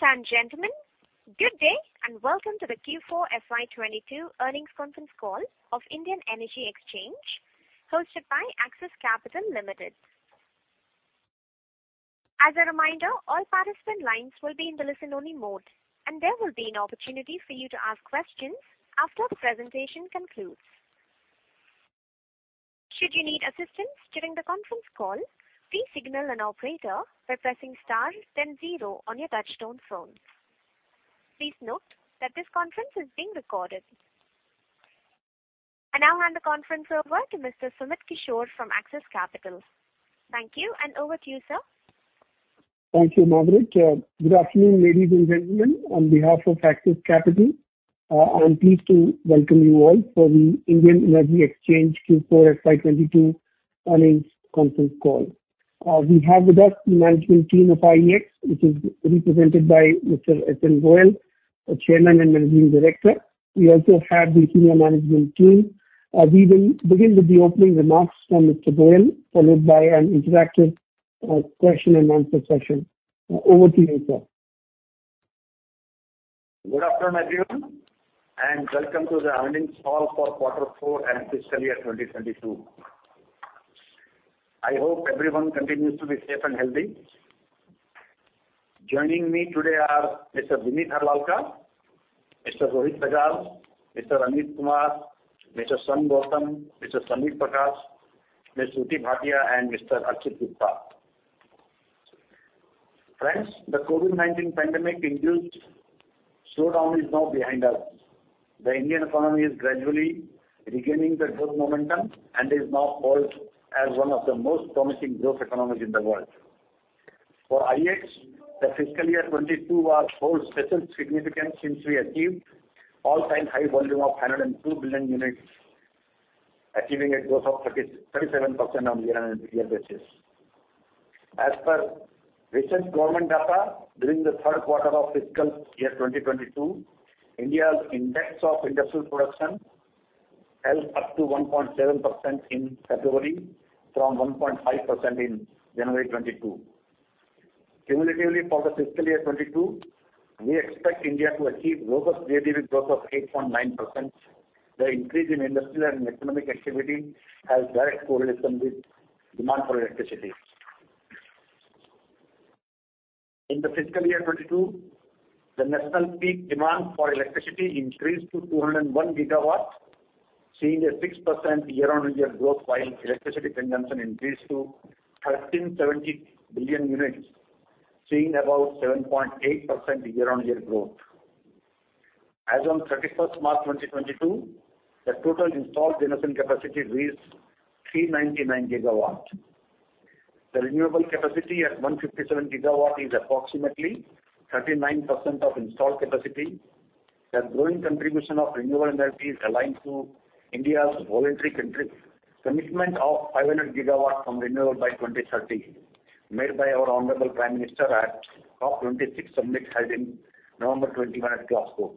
Ladies and gentlemen, good day and welcome to the Q4 FY22 earnings conference call of Indian Energy Exchange hosted by Axis Capital Limited. As a reminder, all participant lines will be in the listen-only mode, and there will be an opportunity for you to ask questions after the presentation concludes. Should you need assistance during the conference call, please signal an operator by pressing star then zero on your touchtone phone. Please note that this conference is being recorded. I now hand the conference over to Mr. Sumit Kishore from Axis Capital. Thank you, and over to you, sir. Thank you, Margaret. Good afternoon, ladies and gentlemen. On behalf of Axis Capital, I'm pleased to welcome you all for the Indian Energy Exchange Q4 FY22 earnings conference call. We have with us the management team of IEX, which is represented by Mr. Satyanarayan Goel, the Chairman and Managing Director. We also have the senior management team. We will begin with the opening remarks from Mr. Goel, followed by an interactive question and answer session. Over to you, sir. Good afternoon, everyone, and welcome to the earnings call for quarter four and fiscal year 2022. I hope everyone continues to be safe and healthy. Joining me today are Mr. Vineet Harlalka, Mr. Rohit Bajaj, Mr. Amit Kumar, Mr. Sanjh Gautam, Mr. Samir Prakash, Ms. Shruti Bhatia, and Mr. Archit Gupta. Friends, the COVID-19 pandemic-induced slowdown is now behind us. The Indian economy is gradually regaining the growth momentum and is now hailed as one of the most promising growth economies in the world. For IEX, the fiscal year 2022 was wholly special significance since we achieved all-time high volume of 102 billion units, achieving a growth of 37% on year-on-year basis. As per recent government data, during the third quarter of fiscal year 2022, India's index of industrial production held up to 1.7% in February from 1.5% in January 2022. Cumulatively, for the fiscal year 2022, we expect India to achieve gross GDP growth of 8.9%. The increase in industrial and economic activity has direct correlation with demand for electricity. In the fiscal year 2022, the national peak demand for electricity increased to 201 gigawatts, seeing a 6% year-on-year growth, while electricity consumption increased to 1,370 billion units, seeing about 7.8% year-on-year growth. As on 31 March 2022, the total installed generation capacity reads 399 gigawatts. The renewable capacity at 157 gigawatts is approximately 39% of installed capacity. The growing contribution of renewable energy is aligned to India's voluntary country commitment of 500 GW from renewable by 2030, made by our Honorable Prime Minister at COP26 summit held in November 2021 at Glasgow.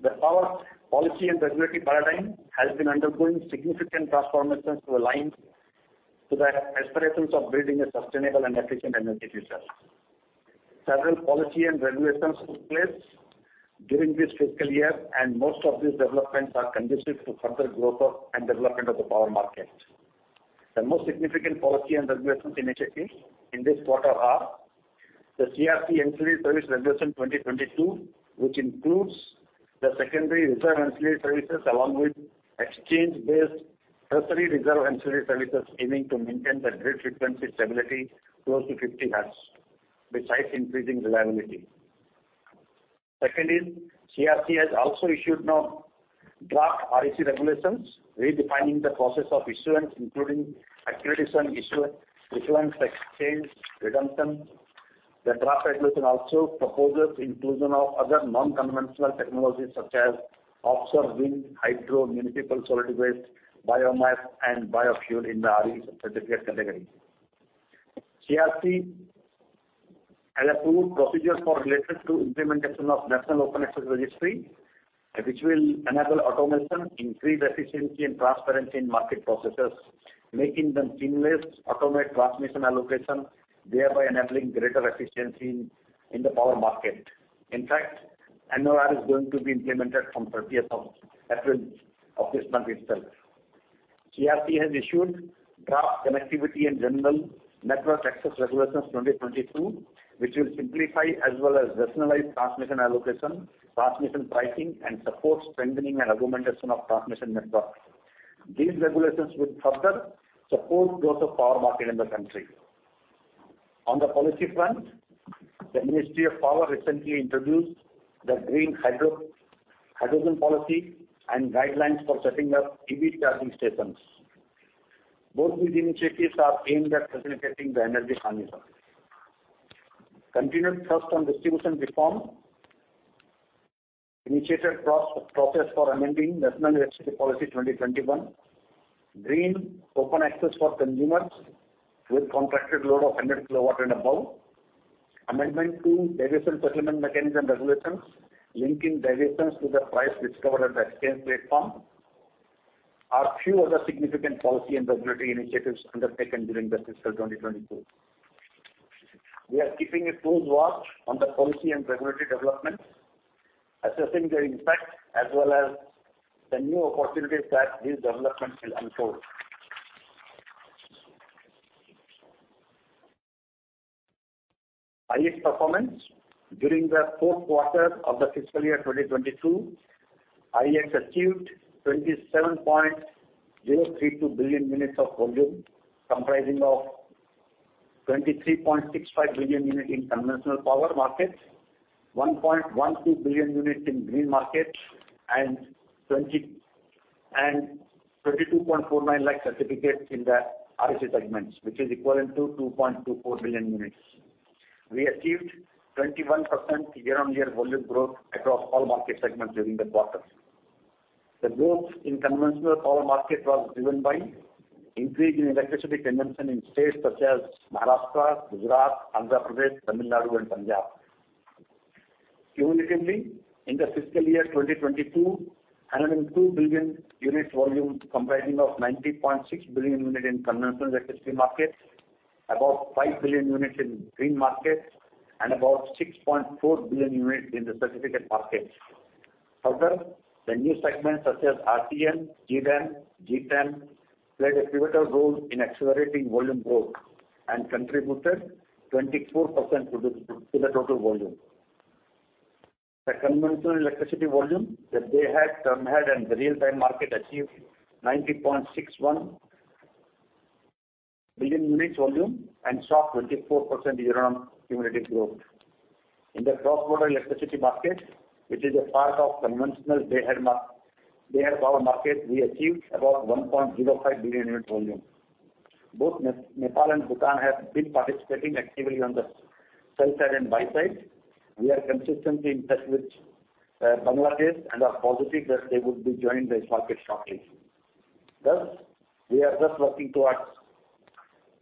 The power policy and regulatory paradigm has been undergoing significant transformations to align to the aspirations of building a sustainable and efficient energy future. Several policy and regulations took place during this fiscal year, and most of these developments are conducive to further growth of and development of the power market. The most significant policy and regulations initiatives in this quarter are the CERC Ancillary Service Regulation 2022, which includes the secondary reserve ancillary services along with exchange-based tertiary reserve ancillary services, aiming to maintain the grid frequency stability close to 50 Hz besides increasing reliability. Second, CERC has also now issued draft REC regulations redefining the process of issuance, including acquisition, issuance, replacement, exchange, redemption. The draft regulation also proposes inclusion of other non-conventional technologies such as offshore wind, hydro, municipal solid waste, biomass, and biofuel in the REC certificate category. CERC has approved procedures related to implementation of National Open Access Registry, which will enable automation, increase efficiency and transparency in market processes, making them seamless, automate transmission allocation, thereby enabling greater efficiency in the power market. In fact, NOAR is going to be implemented from thirtieth of April of this month itself. CERC has issued draft connectivity and general network access regulations 2022, which will simplify as well as rationalize transmission allocation, transmission pricing, and support strengthening and augmentation of transmission networks. These regulations will further support growth of power market in the country. On the policy front, the Ministry of Power recently introduced the Green Hydrogen Policy and guidelines for setting up EV charging stations. Both these initiatives are aimed at facilitating the energy transition. Continued thrust on distribution reform initiated process for amending National Electricity Policy 2021. Green open access for consumers with contracted load of 100 kW and above. Amendment to Deviation Settlement Mechanism Regulations, linking deviations to the price discovered at the exchange platform. A few other significant policy and regulatory initiatives undertaken during the fiscal 2022. We are keeping a close watch on the policy and regulatory developments, assessing their impact as well as the new opportunities that these developments will unfold. IEX performance during the fourth quarter of the fiscal year 2022. IEX achieved 27.032 billion units of volume, comprising of 23.65 billion unit in conventional power markets, 1.12 billion units in green market, and 22.49 lakh certificates in the REC segments, which is equivalent to 2.24 billion units. We achieved 21% year-on-year volume growth across all market segments during the quarter. The growth in conventional power market was driven by increase in electricity consumption in states such as Maharashtra, Gujarat, Andhra Pradesh, Tamil Nadu, and Punjab. Cumulatively, in the fiscal year 2022, 102 billion units volume comprising of 90.6 billion unit in conventional electricity markets, about 5 billion units in green markets, and about 6.4 billion units in the certificate markets. Further, the new segments such as RTM, GDAM, GTAM, played a pivotal role in accelerating volume growth and contributed 24% to the total volume. The conventional electricity volume, the day-ahead, intra-day and the real-time market achieved 96.1 billion units volume and saw 24% year-on-year cumulative growth. In the cross-border electricity market, which is a part of conventional day-ahead power market, we achieved about 1.05 billion units volume. Both Nepal and Bhutan have been participating actively on the sell side and buy side. We are consistently in touch with Bangladesh and are positive that they would be joining this market shortly. Thus, we are working towards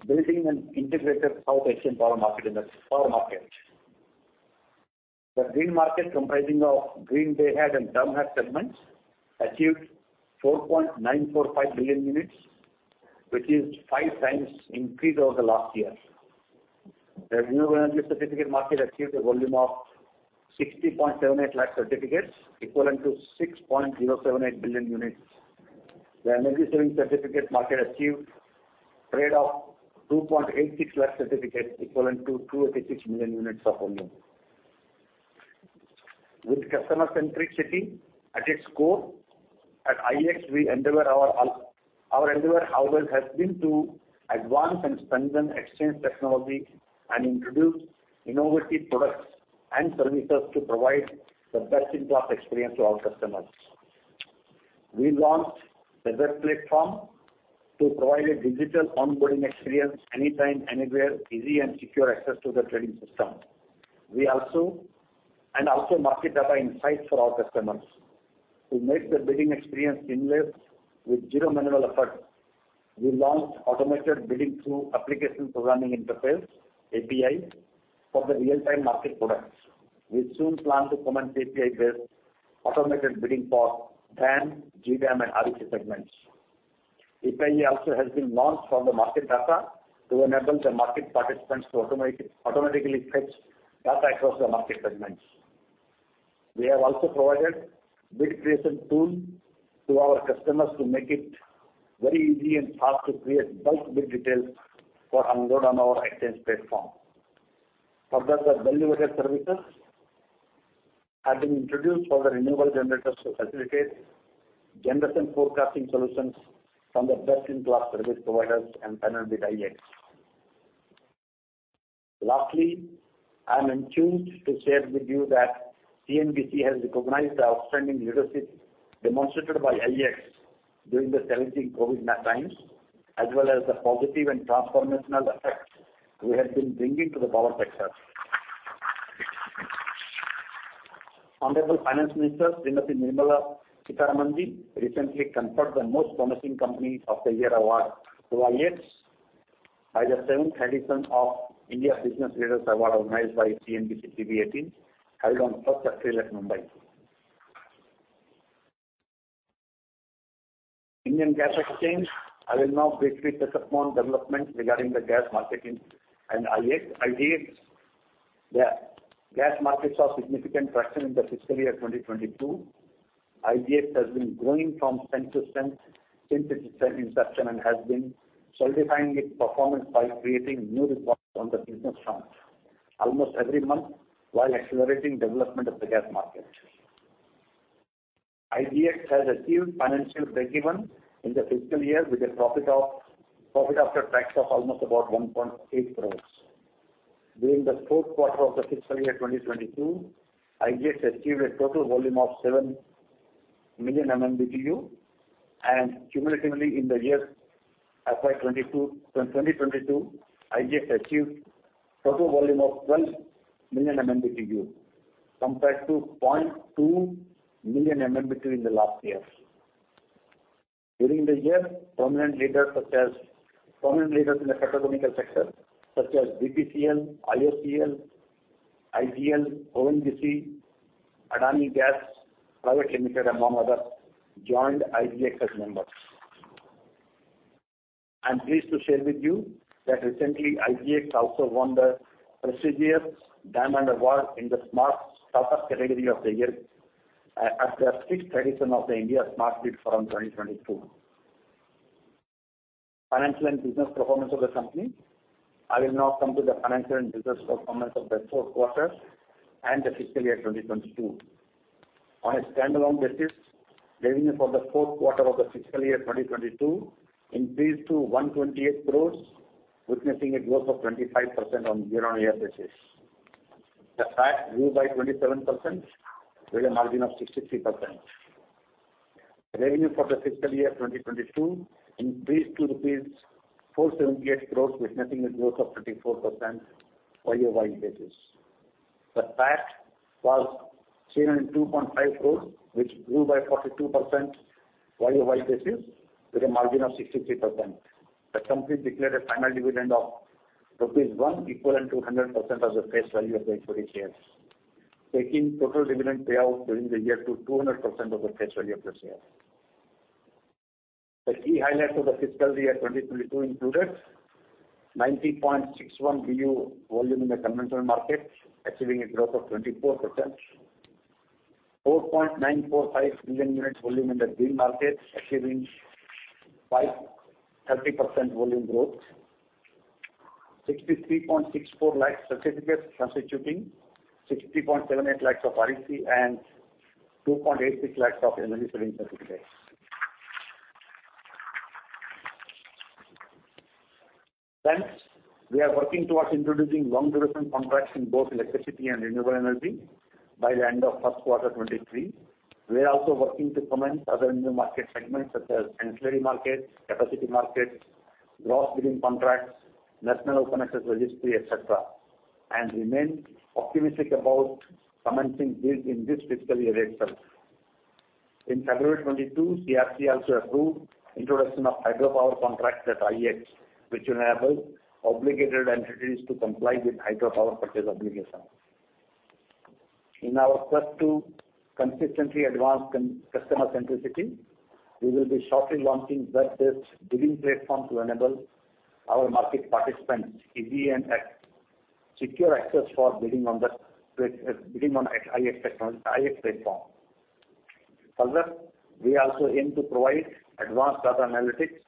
building an integrated South Asian power market in the power market. The green market comprising of green day-ahead and term-ahead segments achieved 4.945 billion units, which is 5x increase over the last year. The renewable energy certificate market achieved a volume of 60.78 lakh certificates, equivalent to 6.078 billion units. The Energy Saving Certificate market achieved trade of 2.86 lakh certificates equivalent to 286 million units of volume. With customer centricity at its core, at IEX, our endeavor always has been to advance and strengthen exchange technology and introduce innovative products and services to provide the best-in-class experience to our customers. We launched the web platform to provide a digital onboarding experience anytime, anywhere, easy and secure access to the trading system. We also market data insights for our customers. To make the bidding experience seamless with zero manual effort, we launched automated bidding through application programming interface, API, for the real-time market products. We soon plan to commence API-based automated bidding for DAM, GDAM and REC segments. API also has been launched for the market data to enable the market participants to automatically fetch data across the market segments. We have also provided bid creation tool to our customers to make it very easy and fast to create bulk bid details for upload on our exchange platform. Further, the value-added services have been introduced for the renewable generators to facilitate generation forecasting solutions from the best-in-class service providers and panel by IEX. Lastly, I'm enthused to share with you that CNBC has recognized the outstanding leadership demonstrated by IEX during the challenging COVID times, as well as the positive and transformational effect we have been bringing to the power sector. Honorable Finance Minister, Srimati Nirmala Sitharamanji, recently conferred the Most Promising Company of the Year award to IEX by the seventh edition of India Business Leaders Award organized by CNBC-TV18, held on 1st of April at Mumbai. Indian Gas Exchange. I will now briefly touch upon developments regarding the gas market in India and IEX. IGX, the gas market saw significant traction in the fiscal year 2022. IGX has been growing from strength to strength since its inception and has been solidifying its performance by creating new records on the business front almost every month while accelerating development of the gas market. IGX has achieved financial breakeven in the fiscal year with a profit after tax of almost about 1.8 crores. During the fourth quarter of the fiscal year 2022, IGX achieved a total volume of 7 million MMBtu. Cumulatively in the year FY 2022, IGX achieved total volume of 12 million MMBtu compared to 0.2 million MMBtu in the last year. During the year, prominent leaders in the petrochemical sector such as BPCL, IOCL, ONGC, Adani Gas, among others joined IEX as members. I'm pleased to share with you that recently IEX also won the prestigious Diamond Award in the Smart Startup category of the Year at the sixth edition of the India Smart Grid Forum 2022. Financial and business performance of the company. I will now come to the financial and business performance of the fourth quarter and the fiscal year 2022. On a standalone basis, the revenue for the fourth quarter of the fiscal year 2022 increased to 128 crores, witnessing a growth of 25% on year-on-year basis. The PAT grew by 27% with a margin of 63%. Revenue for the fiscal year 2022 increased to INR 478 crores, witnessing a growth of 24% on year-on-year basis. The PAT was 302.5 crores, which grew by 42% year-on-year basis with a margin of 63%. The company declared a final dividend of rupees 1 equivalent to 100% of the face value of the equity shares, taking total dividend payout during the year to 200% of the face value of the share. The key highlights of the fiscal year 2022 included 90.61 BU volume in the conventional market, achieving a growth of 24%. 4.945 billion units volume in the green market, achieving 530% volume growth. 63.64 lakh certificates, constituting 60.78 lakhs of REC and 2.86 lakhs of Energy Saving Certificates. We are working towards introducing long duration contracts in both electricity and renewable energy by the end of first quarter 2023. We are also working to commence other new market segments such as ancillary markets, capacity markets, gross bidding contracts, National Open Access Registry, etc., and remain optimistic about commencing these in this fiscal year itself. In February 2022, CERC also approved introduction of hydropower contracts at IEX, which will enable obligated entities to comply with hydropower purchase obligations. In our quest to consistently advance customer centricity, we will be shortly launching web-based billing platform to enable our market participants easy and secure access for billing on IEX platform. Further, we also aim to provide advanced data analytics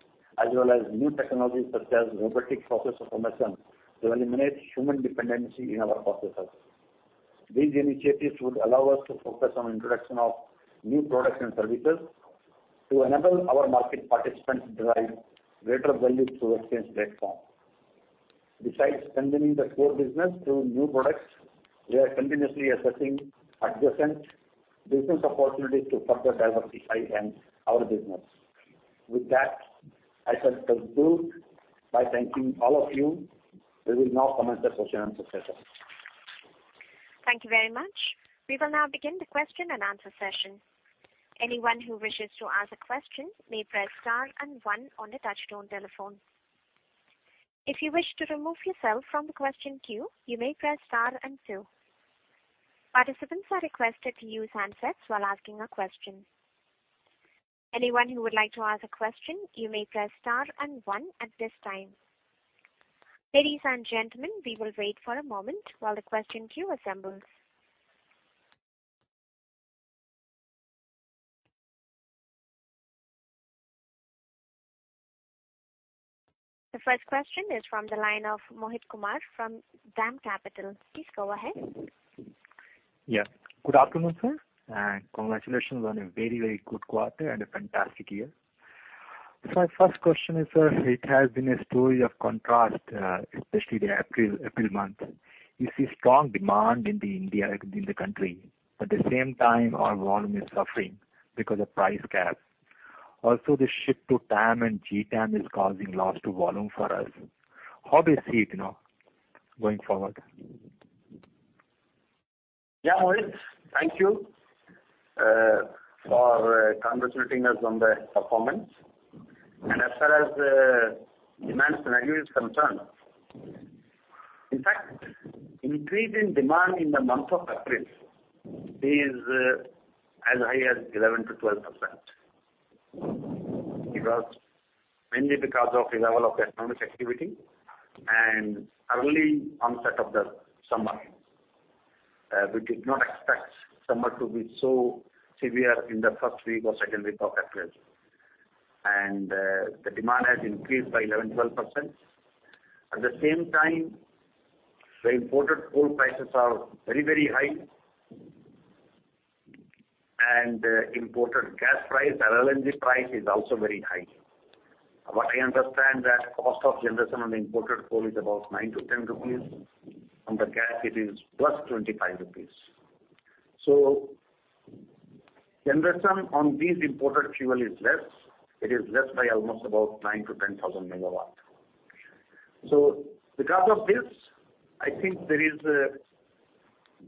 as well as new technologies such as robotic process automation to eliminate human dependency in our processes. These initiatives would allow us to focus on introduction of new products and services to enable our market participants to derive greater value through exchange platform. Besides expanding the core business through new products, we are continuously assessing adjacent business opportunities to further diversify our business. With that, I shall conclude by thanking all of you. We will now commence the question and answer session. Thank you very much. We will now begin the question-and-answer session. Anyone who wishes to ask a question may press star and one on the touchtone telephone. If you wish to remove yourself from the question queue, you may press star and two. Participants are requested to use handsets while asking a question. Anyone who would like to ask a question, you may press star and one at this time. Ladies and gentlemen, we will wait for a moment while the question queue assembles. The first question is from the line of Mohit Kumar from DAM Capital. Please go ahead. Yeah. Good afternoon, sir, and congratulations on a very, very good quarter and a fantastic year. My first question is, sir, it has been a story of contrast, especially the April month. You see strong demand in India, in the country, but at the same time, our volume is suffering because of price caps. Also, the shift to TAM and GTAM is causing loss to volume for us. How do you see it now going forward? Yeah, Mohit, thank you for congratulating us on the performance. As far as the demand scenario is concerned, in fact, increase in demand in the month of April is as high as 11%-12%. Mainly because of the level of economic activity and early onset of the summer. We did not expect summer to be so severe in the first week or second week of April. The demand has increased by 11-12%. At the same time, the imported coal prices are very, very high. Imported gas price, LNG price is also very high. What I understand that cost of generation on imported coal is about 9-10 rupees. On the gas it is plus 25 rupees. So generation on these imported fuel is less. It is less by almost about 9,000-10,000 megawatts. Because of this, I think there is a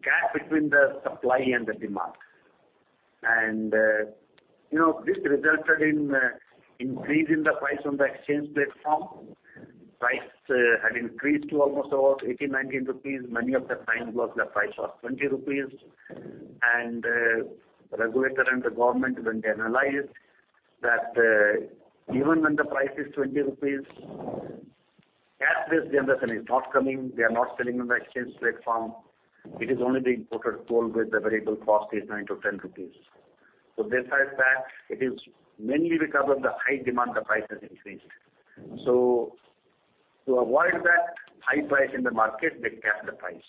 gap between the supply and the demand. This resulted in increase in the price on the exchange platform. Price had increased to almost about 80-90 rupees. Many of the times was the price of 20 rupees. The regulator and the government when they analyzed that, even when the price is 20 rupees, gas-based generation is not coming, they are not selling on the exchange platform. It is only the imported coal with the variable cost is 9-10 rupees. Besides that, it is mainly because of the high demand the price has increased. To avoid that high price in the market, they capped the price.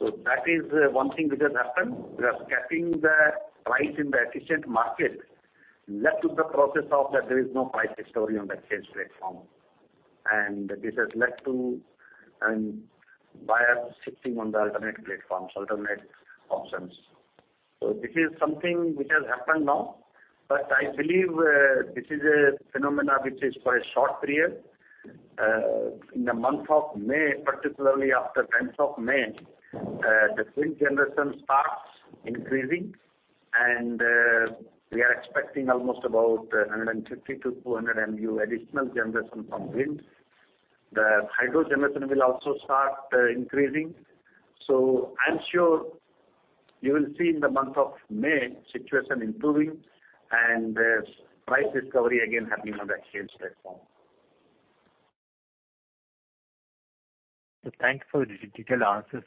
That is one thing which has happened. They are capping the price in the efficient market. That took the process of that there is no price discovery on the exchange platform. This has led to buyers shifting on the alternate platforms, alternate options. This is something which has happened now, but I believe this is a phenomenon which is for a short period. In the month of May, particularly after tenth of May, the wind generation starts increasing. We are expecting almost about 150-200 MU additional generation from wind. The hydro generation will also start increasing. I'm sure you will see in the month of May situation improving and price discovery again happening on the exchange platform. Thanks for the detailed answers.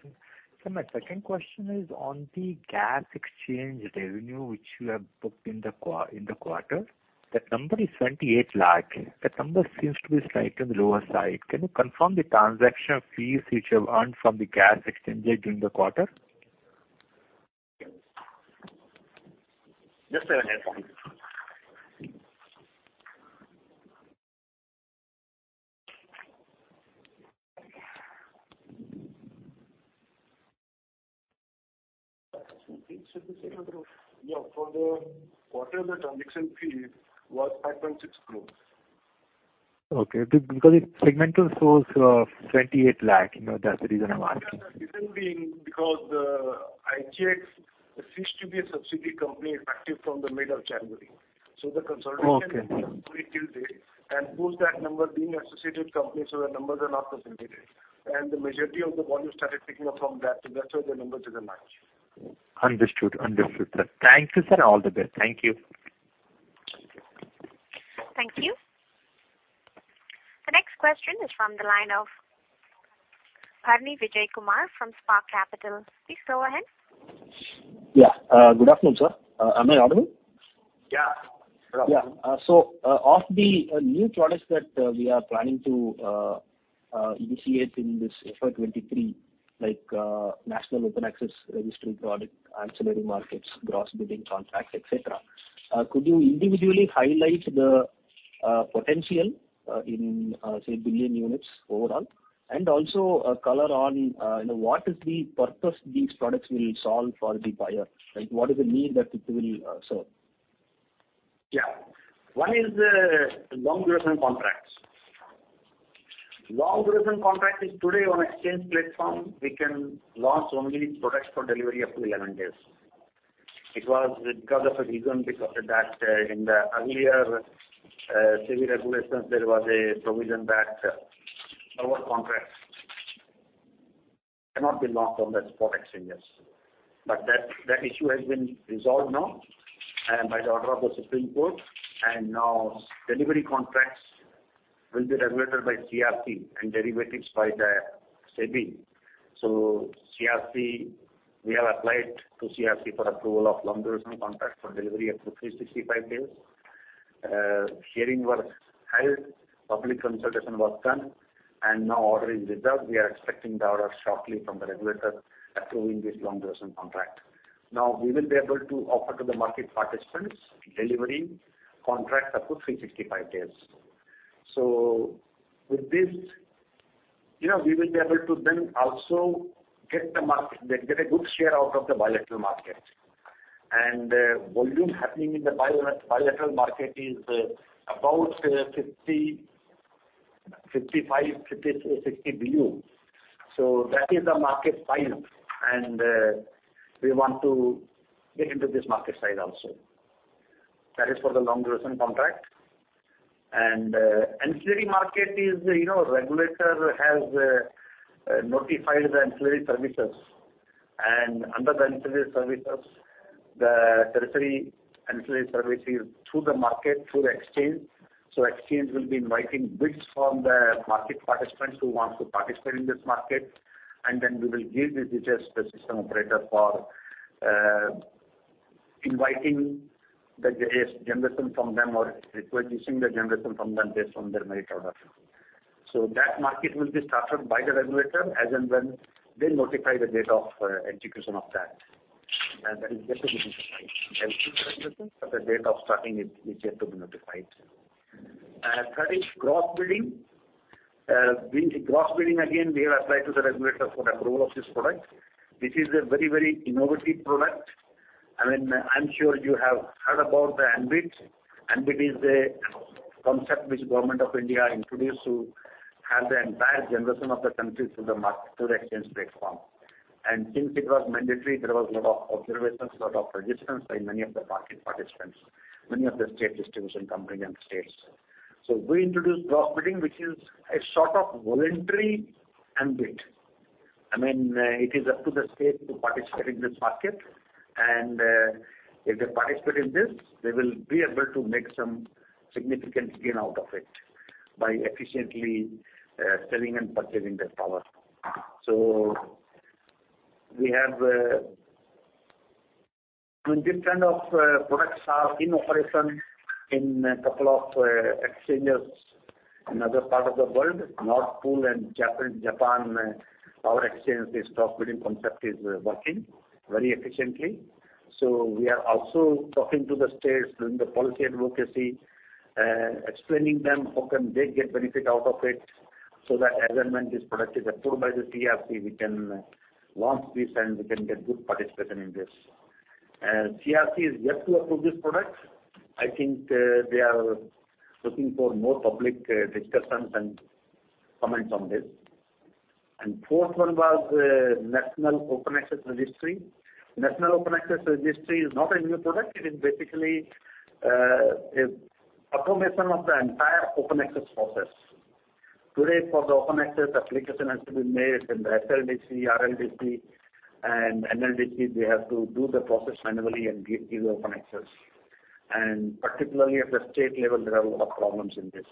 My second question is on the gas exchange revenue which you have booked in the quarter. That number is 28 lakh. That number seems to be slightly on the lower side. Can you confirm the transaction fees which you have earned from the gas exchange during the quarter? Just a minute. Yeah. For the quarter, the transaction fee was 5.6 crores. Okay. Because it's segmental shows, 28 lakh. You know, that's the reason I'm asking. The reason being because the IGX ceased to be a subsidiary company effective from the mid of January. Okay. The consolidation till date, and post that number being associated company, so the numbers are not consolidated. The majority of the volume started picking up from that, so that's why the numbers didn't match. Understood. Understood, sir. Thank you, sir. All the best. Thank you. Thank you. The next question is from the line of Pranay Vijaykumar from Spark Capital. Please go ahead. Yeah. Good afternoon, sir. Am I audible? Yeah. Good afternoon. So, of the new products that we are planning to initiate in this FY 2023, like, National Open Access Registry product, ancillary markets, cross-border contracts, et cetera, could you individually highlight the potential in, say, billion units overall? And also, color on, you know, what is the purpose these products will solve for the buyer? Like, what is the need that it will serve? Yeah. One is the long duration contracts. Long duration contract is today on exchange platform, we can launch only products for delivery up to 11 days. It was because of a reason, because of that, in the earlier, SEBI regulations, there was a provision that forward contracts cannot be launched on the spot exchanges. That issue has been resolved now, by the order of the Supreme Court. Now delivery contracts will be regulated by CERC and derivatives by the SEBI. CERC, we have applied to CERC for approval of long duration contracts for delivery up to 365 days. Hearing was held, public consultation was done, and now order is reserved. We are expecting the order shortly from the regulator approving this long duration contract. Now, we will be able to offer to the market participants delivery contracts up to 365 days. With this, you know, we will be able to then also get a good share out of the bilateral market. Volume happening in the bilateral market is about 50 to 60 billion. That is the market size, and we want to get into this market side also. That is for the long duration contract. Ancillary market is, you know, regulator has notified the ancillary services. Under the ancillary services, the tertiary ancillary service is through the market, through the exchange. Exchange will be inviting bids from the market participants who want to participate in this market. We will give the details to system operator for inviting the gas generation from them or requesting the generation from them based on their merit order. That market will be started by the regulator as and when they notify the date of execution of that. That is yet to be notified. The date of starting is yet to be notified. Third is gross bidding. We have applied to the regulators for the approval of this product. This is a very, very innovative product. I mean, I'm sure you have heard about the MBED. MBED is a concept which Government of India introduced to have the entire generation of the country through the exchange platform. Since it was mandatory, there was a lot of observations, a lot of resistance by many of the market participants, many of the state distribution companies and states. We introduced gross bidding, which is a sort of voluntary ambit. I mean, it is up to the state to participate in this market, and if they participate in this, they will be able to make some significant gain out of it by efficiently selling and purchasing their power. I mean, this kind of products are in operation in a couple of exchanges in other parts of the world, Nord Pool and Japan Power Exchange. This gross bidding concept is working very efficiently. We are also talking to the states, doing the policy advocacy, explaining them how can they get benefit out of it, so that as and when this product is approved by the CERC, we can launch this and we can get good participation in this. CERC is yet to approve this product. I think, they are looking for more public, discussions and comments on this. Fourth one was National Open Access Registry. National Open Access Registry is not a new product. It is basically an automation of the entire open access process. Today, for the open access, application has to be made in the SLDC, RLDC and NLDC. They have to do the process manually and give open access. Particularly at the state level, there are a lot of problems in this.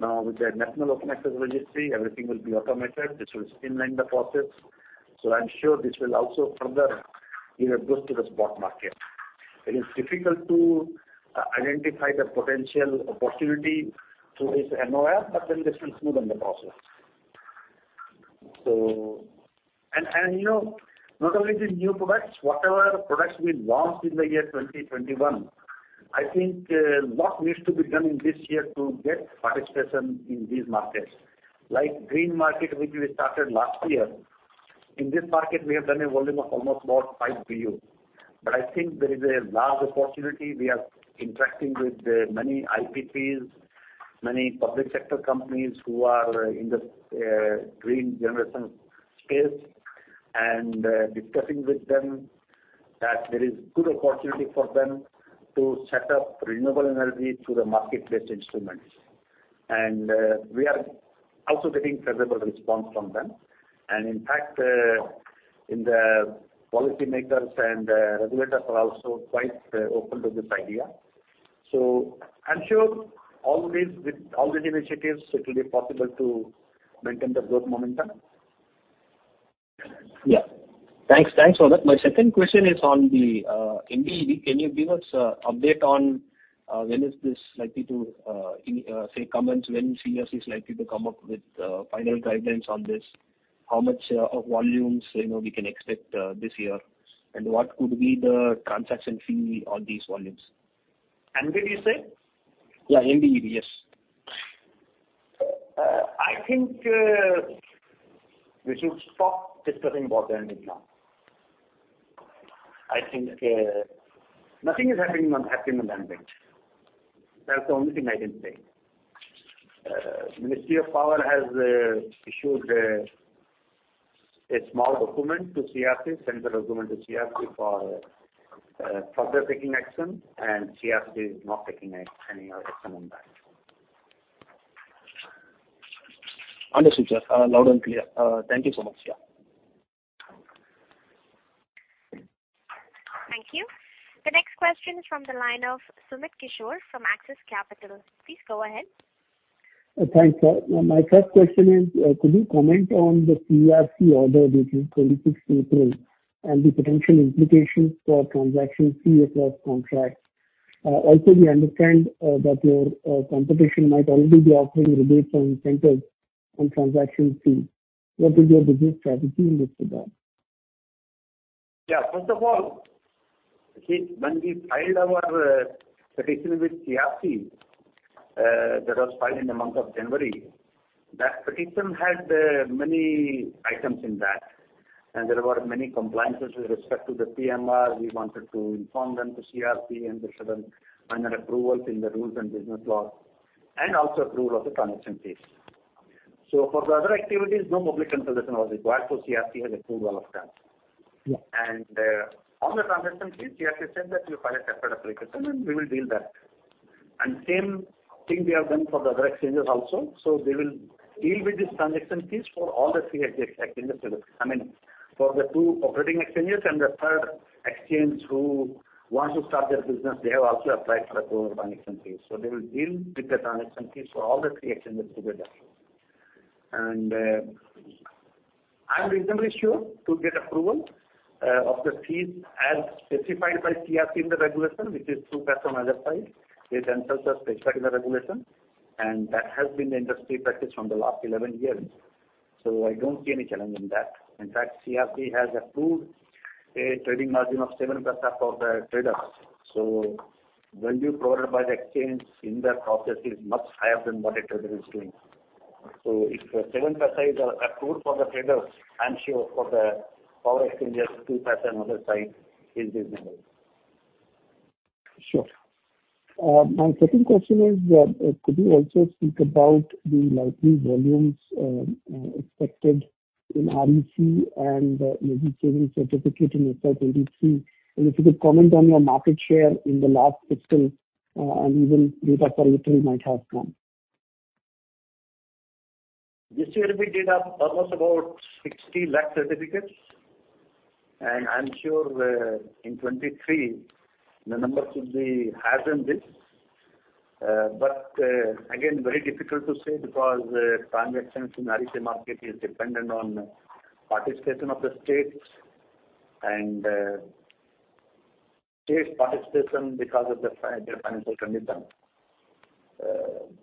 Now, with the National Open Access Registry, everything will be automated. This will streamline the process. I'm sure this will also further, you know, boost to the spot market. It is difficult to identify the potential opportunity through this NOAR, but then this will smoothen the process. You know, not only the new products, whatever products we launch in the year 2021, I think lot needs to be done in this year to get participation in these markets. Like green market, which we started last year. In this market, we have done a volume of almost about five BU. I think there is a large opportunity. We are interacting with many IPPs, many public sector companies who are in the green generation space, and discussing with them that there is good opportunity for them to set up renewable energy through the market-based instruments. We are also getting favorable response from them. In fact, from the policymakers and regulators are also quite open to this idea. I'm sure all these with all the initiatives, it will be possible to maintain the growth momentum. Yeah. Thanks for that. My second question is on the MBED. Can you give us update on when CERC is likely to come up with final guidelines on this? How much of volumes, you know, we can expect this year? And what could be the transaction fee on these volumes? MBED, you say? Yeah, MBED. Yes. I think we should stop discussing about the MBED. I think nothing is happening on MBED. That's the only thing I can say. Ministry of Power has issued a small document to CERC, sent the document to CERC for further taking action, and CERC is not taking any action on that. Understood, sir. Loud and clear. Thank you so much, sir. Thank you. The next question is from the line of Sumit Kishore from Axis Capital. Please go ahead. Thanks. My first question is, could you comment on the CERC order dated 26th April and the potential implications for transaction fee across contracts? Also, we understand that your competition might already be offering rebates and incentives on transaction fee. What is your business strategy in this regard? Yeah. First of all, see, when we filed our petition with CERC, that was filed in the month of January. That petition had many items in that, and there were many compliances with respect to the PMR. We wanted to inform them to CERC and there are certain minor approvals in the rules and business law and also approval of the transaction fees. For the other activities, no public consultation was required, so CERC has approved all of that. Yeah. On the transaction fees, CERC said that you file a separate application, and we will deal with that. Same thing we have done for the other exchanges also. We will deal with these transaction fees for all three exchanges together. I mean, for the two operating exchanges and the third exchange who wants to start their business, they have also applied for approval of transaction fees. They will deal with the transaction fees for all three exchanges together. I'm reasonably sure to get approval of the fees as specified by CERC in the regulation, which is 2% on other side. It themselves are specified in the regulation, and that has been the industry practice from the last 11 years. I don't see any challenge in that. In fact, CERC has approved a trading margin of 7% for the traders. Value provided by the exchange in that process is much higher than what a trader is doing. If 7% is a tool for the traders, I'm sure for the power exchanges 2% on the side is reasonable. Sure. My second question is, could you also speak about the likely volumes expected in REC and Energy Saving Certificate in FY 2023? If you could comment on your market share in the last fiscal, and even data for liquidity might have come. This year, we did up almost about 60 lakh certificates. I'm sure, in 2023, the number should be higher than this. Again, very difficult to say because transactions in REC market is dependent on participation of the states and state participation because of their financial condition.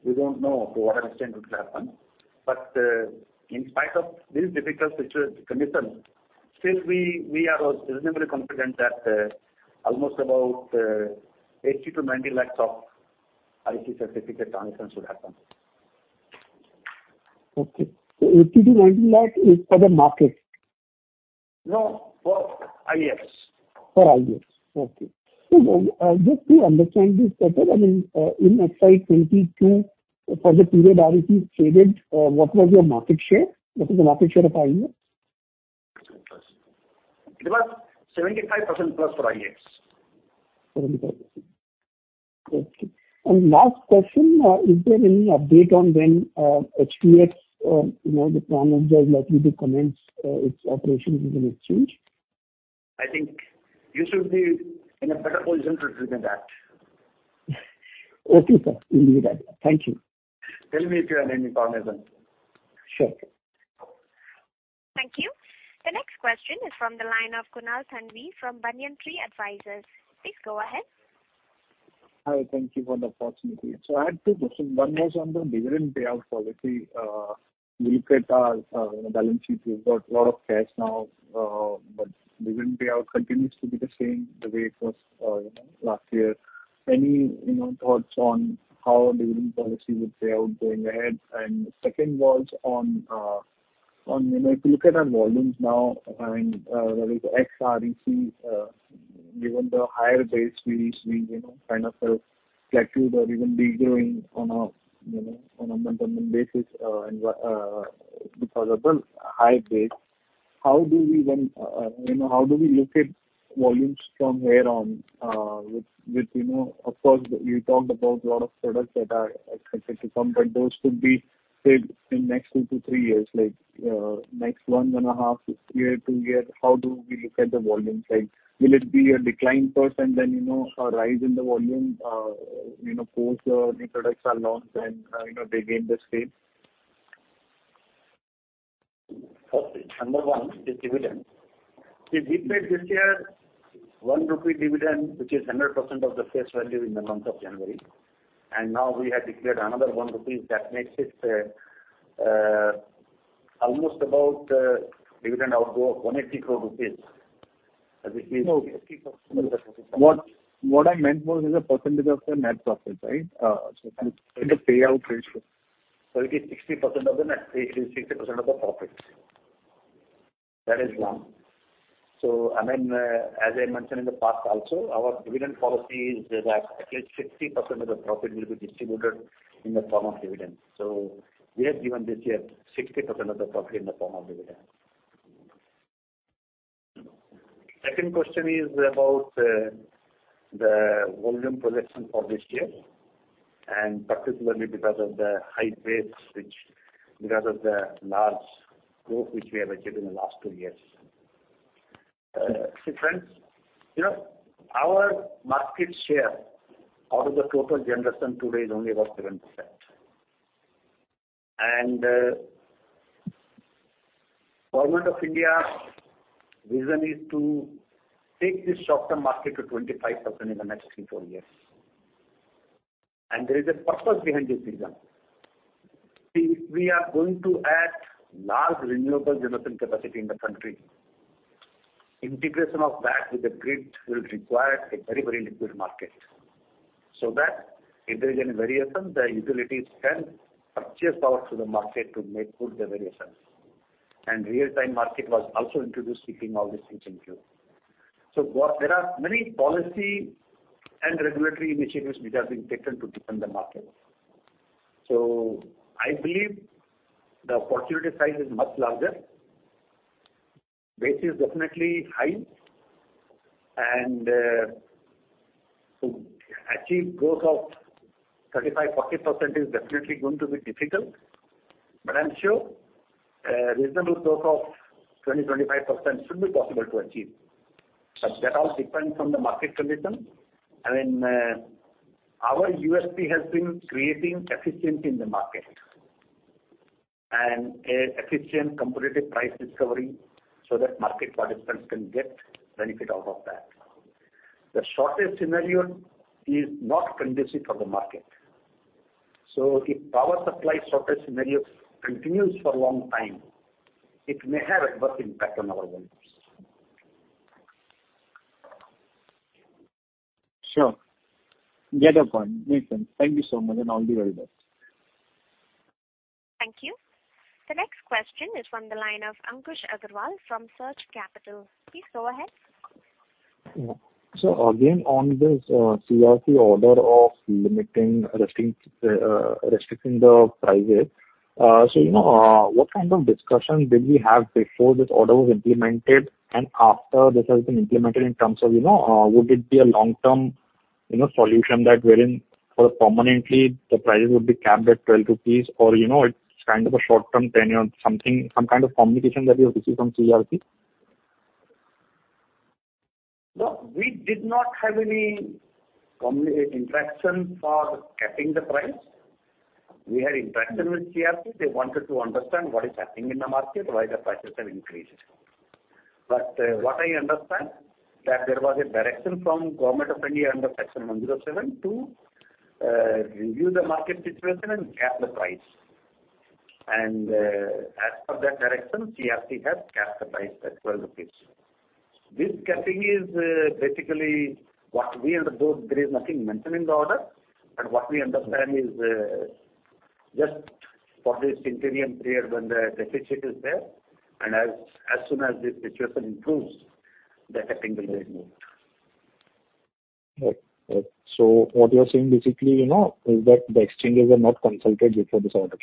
We don't know to what extent it will happen. In spite of these difficult conditions, still we are reasonably confident that almost about 80-90 lakhs of REC certificate transactions should happen. Okay. 80 lakh-90 lakh is for the market? No, for IEX. For IEX. Okay. Just to understand this better, I mean, in FY 2022, for the period REC traded, what was your market share? What was the market share of IEX? It was 75%+ for IEX. 75%. Okay. Last question, is there any update on when HPX, you know, the plan of job likely to commence its operations in an exchange? I think you should be in a better position to do than that. Okay, sir. Will do that. Thank you. Tell me if you have any queries then. Sure. Thank you. The next question is from the line of Kunal Thanvi from Banyan Tree Advisors. Please go ahead. Hi, thank you for the opportunity. I had two questions. One was on the dividend payout policy. We look at, you know, balance sheet, you've got a lot of cash now, but dividend payout continues to be the same the way it was, you know, last year. Any, you know, thoughts on how dividend policy would play out going ahead? Second was on, you know, if you look at our volumes now and, that is ex-REC, given the higher base, we've, you know, kind of, plateaued or even de-growing on a, you know, on a month-on-month basis, and, because of the high base. How do we then, you know, how do we look at volumes from here on, with, you know, of course, you talked about a lot of products that are expected to come, but those could be say in next two to three years, like, next one and a half year, two year, how do we look at the volumes? Like, will it be a decline first and then, you know, a rise in the volume, you know, post the new products are launched and, you know, they gain the scale? First, number one is dividend. See, we paid this year 1 rupee dividend, which is 100% of the face value in the month of January. Now we have declared another 1 rupee that makes it almost about dividend outflow of 180 crore rupees. No. What I meant was as a percentage of the net profit, right? The payout ratio. It is 60% of the profits. That is one. I mean, as I mentioned in the past also, our dividend policy is that at least 60% of the profit will be distributed in the form of dividends. We have given this year 60% of the profit in the form of dividend. Second question is about the volume projection for this year, and particularly because of the high base, which because of the large growth which we have achieved in the last two years. See friends, you know, our market share out of the total generation today is only about 7%. Government of India vision is to take this short-term market to 25% in the next three to four years. There is a purpose behind this vision. If we are going to add large renewable generation capacity in the country, integration of that with the grid will require a very, very liquid market, so that if there is any variation, the utilities can purchase power through the market to make good the variations. Real-time market was also introduced keeping all this in view. There are many policy and regulatory initiatives which are being taken to deepen the market. I believe the opportunity size is much larger. Base is definitely high. To achieve growth of 35-40% is definitely going to be difficult. I'm sure a reasonable growth of 20-25% should be possible to achieve. That all depends on the market condition. I mean, our USP has been creating efficiency in the market and an efficient competitive price discovery so that market participants can get benefit out of that. The shortage scenario is not conducive for the market. If power supply shortage scenario continues for a long time, it may have adverse impact on our volumes. Sure. Got it. Makes sense. Thank you so much, and all the very best. Thank you. The next question is from the line of Ankush Agrawal from Surge Capital. Please go ahead. Again, on this, CERC order of restricting the prices. What kind of discussion did you have before this order was implemented and after this has been implemented in terms of, you know, would it be a long-term solution that wherein for permanently the prices would be capped at 12 rupees or, you know, it's kind of a short-term tenure, something, some kind of communication that you've received from CERC? No, we did not have any interaction for capping the price. We had interaction with CERC. They wanted to understand what is happening in the market, why the prices have increased. What I understand, that there was a direction from Government of India under Section 107 to review the market situation and cap the price. As per that direction, CERC has capped the price at INR 12. This capping is basically what we understand. Though there is nothing mentioned in the order, what we understand is just for this interim period when the deficit is there, and as soon as the situation improves, the capping will be removed. Right. What you're saying basically, you know, is that the exchanges are not consulted before this order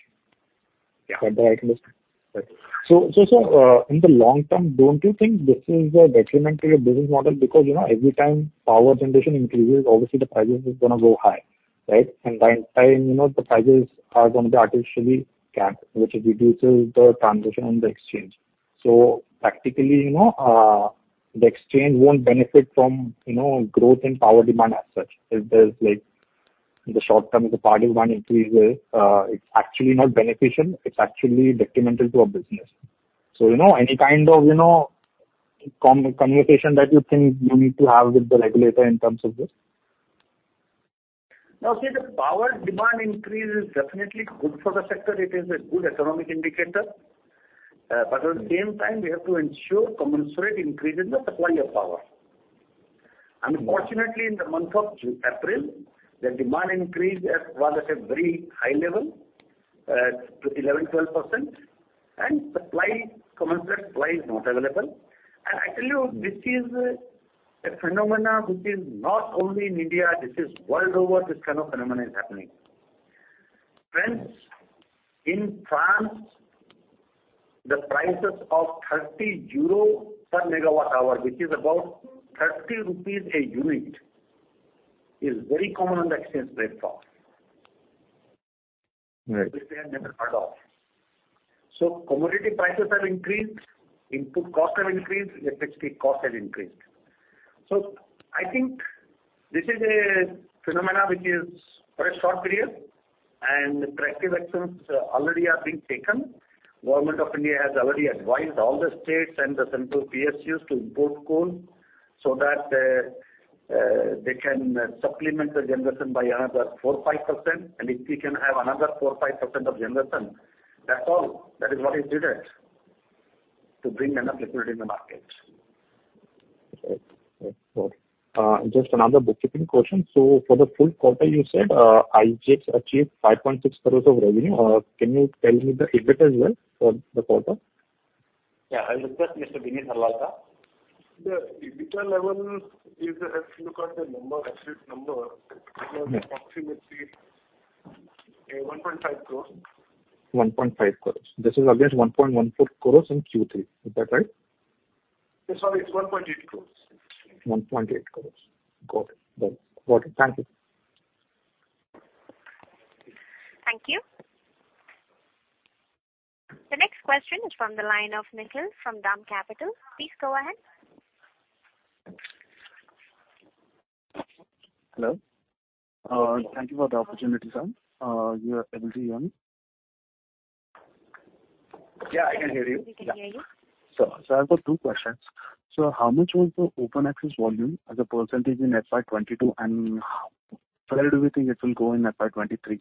came. Yeah. Am I right to understand? Right. In the long term, don't you think this is a detriment to your business model? You know, every time power generation increases, obviously the prices is gonna go high, right? By the time, you know, the prices are gonna be artificially capped, which reduces the transaction on the exchange. Practically, you know, the exchange won't benefit from, you know, growth in power demand as such. If there's like in the short term, if the power demand increases, it's actually not beneficial. It's actually detrimental to our business. You know, any kind of, you know, communication that you think you need to have with the regulator in terms of this? No. See, the power demand increase is definitely good for the sector. It is a good economic indicator. At the same time we have to ensure commensurate increase in the supply of power. Unfortunately, in the month of April, the demand increase was at a very high level, to 11%-12%, and commensurate supply is not available. I tell you, this is a phenomenon which is not only in India, this is world over, this kind of phenomenon is happening. Friends, in France, the prices of 30 euro per megawatt hour, which is about 30 rupees a unit, is very common on the exchange platform. Right. Which we have never heard of. Commodity prices have increased, input cost have increased, FX fee cost has increased. I think this is a phenomena which is for a short period and corrective actions already are being taken. Government of India has already advised all the states and the central PSUs to import coal so that they can supplement the generation by another 4%-5%. If we can have another 4%-5% of generation, that's all. That is what is needed to bring enough liquidity in the market. Just another bookkeeping question. For the full quarter, you said IEX achieved 5.6 crores of revenue. Can you tell me the EBIT as well for the quarter? Yeah. I'll request Mr. Vineet Harlalka. The EBITDA level is, if you look at the number, absolute number. Mm-hmm. It was approximately 1.5 crore. 1.5 crores. This is against 1.14 crores in Q3. Is that right? Sorry. It's 1.8 crores. 1.8 crores. Got it. Done. Got it. Thank you. Thank you. The next question is from the line of Nikhil from DAM Capital. Please go ahead. Hello. Thank you for the opportunity, sir. You are audible, sir. Yeah, I can hear you. He can hear you. I've got two questions. How much was the open access volume as a percentage in FY 2022, and where do you think it will go in FY 2023?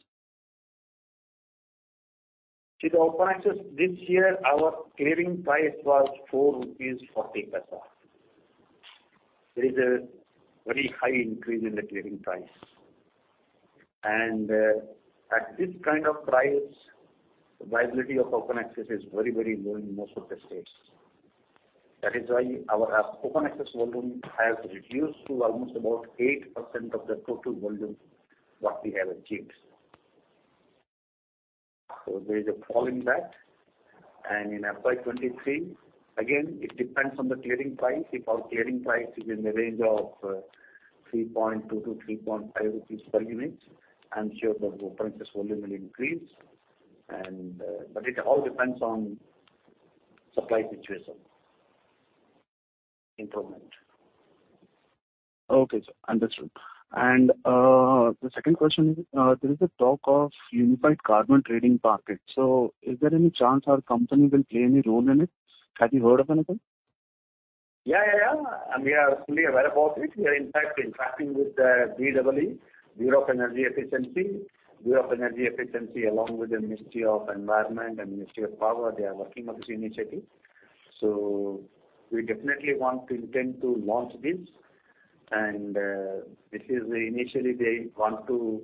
See the open access this year, our clearing price was 4.40 rupees. There is a very high increase in the clearing price. At this kind of price, viability of open access is very, very low in most of the states. That is why our open access volume has reduced to almost about 8% of the total volume what we have achieved. There is a fall in that. In FY 2023, again, it depends on the clearing price. If our clearing price is in the range of 3.2-3.5 rupees per unit, I'm sure the open access volume will increase. It all depends on supply situation improvement. Okay, sir. Understood. The second question is, there is a talk of unified carbon trading market. Is there any chance our company will play any role in it? Have you heard of anything? We are fully aware about it. We are in fact interacting with the BEE, Bureau of Energy Efficiency, along with the Ministry of Environment and Ministry of Power. They are working on this initiative. We definitely want to intend to launch this. It is initially they want to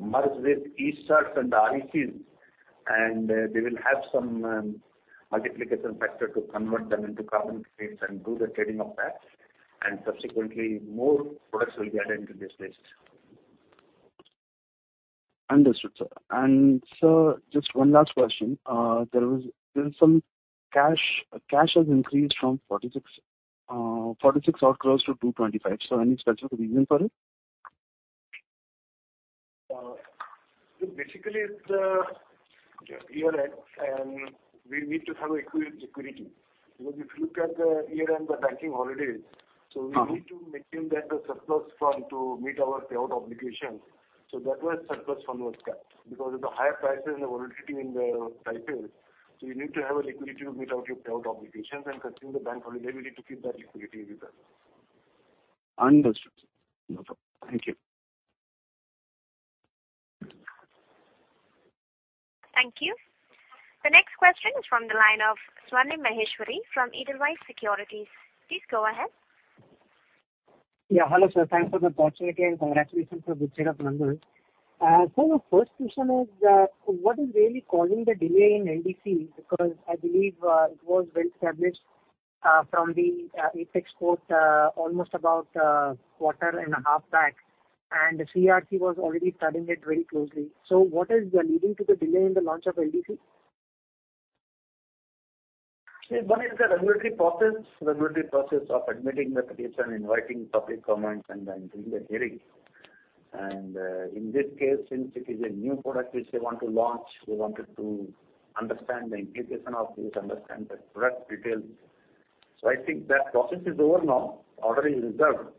merge with ESCerts and the RECs, and they will have some multiplication factor to convert them into carbon credits and do the trading of that, and subsequently more products will be added to this list. Understood, sir. Sir, just one last question. There is some cash. Cash has increased from 46 crores to 225 crores. Any special reason for it? Basically it's year-end, and we need to have a liquidity. Because if you look at the year-end, the banking holidays. Uh-huh. We need to maintain that the surplus fund to meet our payout obligations. That was surplus fund was kept. Because of the higher prices and the volatility in the prices, so you need to have a liquidity to meet out your payout obligations. Considering the bank holiday, we need to keep that liquidity with us. Understood. No problem. Thank you. Thank you. The next question is from the line of Swarnim Maheshwari from Edelweiss Securities. Please go ahead. Yeah. Hello, sir. Thanks for the opportunity, and congratulations for the good set of numbers. The first question is, what is really causing the delay in LDC? Because I believe, it was well established, from the apex court, almost about quarter and a half back, and CERC was already studying it very closely. What is leading to the delay in the launch of LDC? One is the regulatory process. Regulatory process of admitting the petition, inviting public comments and then doing the hearing. In this case, since it is a new product which they want to launch, we wanted to understand the implication of this, understand the product details. I think that process is over now. Order is reserved.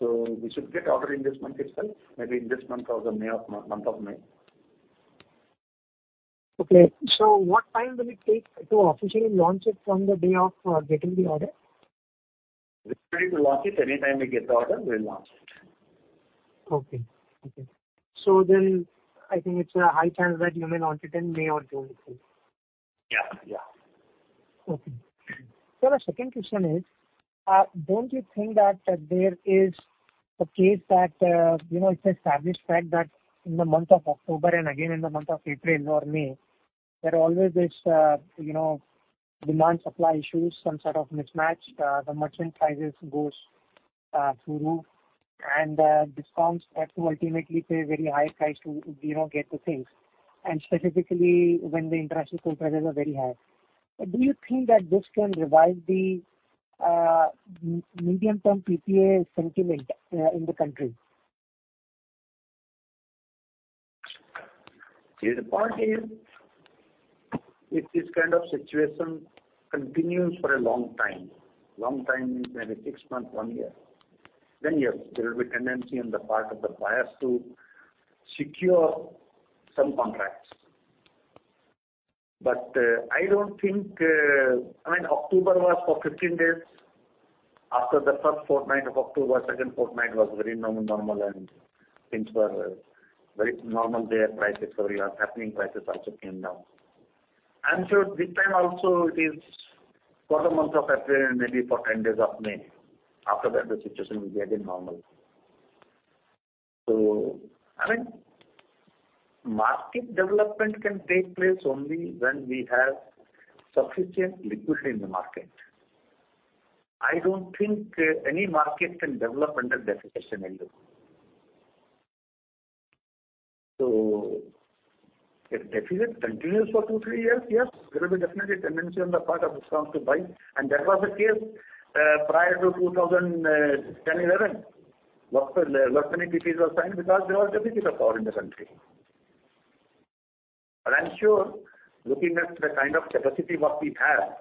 We should get order in this month itself, maybe in this month or month of May. Okay. What time will it take to officially launch it from the day of getting the order? We're free to launch it. Anytime we get the order, we'll launch it. Okay. I think it's a high chance that you may launch it in May or June. Yeah, yeah. Okay. Sir, the second question is, don't you think that there is a case that, you know, it's established fact that in the month of October and again in the month of April or May, there always is, you know, demand supply issues, some sort of mismatch. The merchant prices goes through the roof and, DISCOMs have to ultimately pay a very high price to, you know, get the things. And specifically when the international coal prices are very high. Do you think that this can revive the, medium-term PPA sentiment, in the country? See, the point is, if this kind of situation continues for a long time, long time means maybe six months, one year, then yes, there will be tendency on the part of the buyers to secure some contracts. I don't think, I mean, October was for 15 days. After the first fortnight of October, second fortnight was very normal, and things were very normal. Their prices were happening, prices also came down. I'm sure this time also it is for the month of April and maybe for 10 days of May. After that the situation will be again normal. I mean, market development can take place only when we have sufficient liquidity in the market. I don't think any market can develop under deficit scenario. If deficit continues for two to three years, yes, there will definitely be tendency on the part of DISCOMs to buy. That was the case prior to 2010-11. Many PPAs were signed because there was deficit of power in the country. I'm sure looking at the kind of capacity what we have,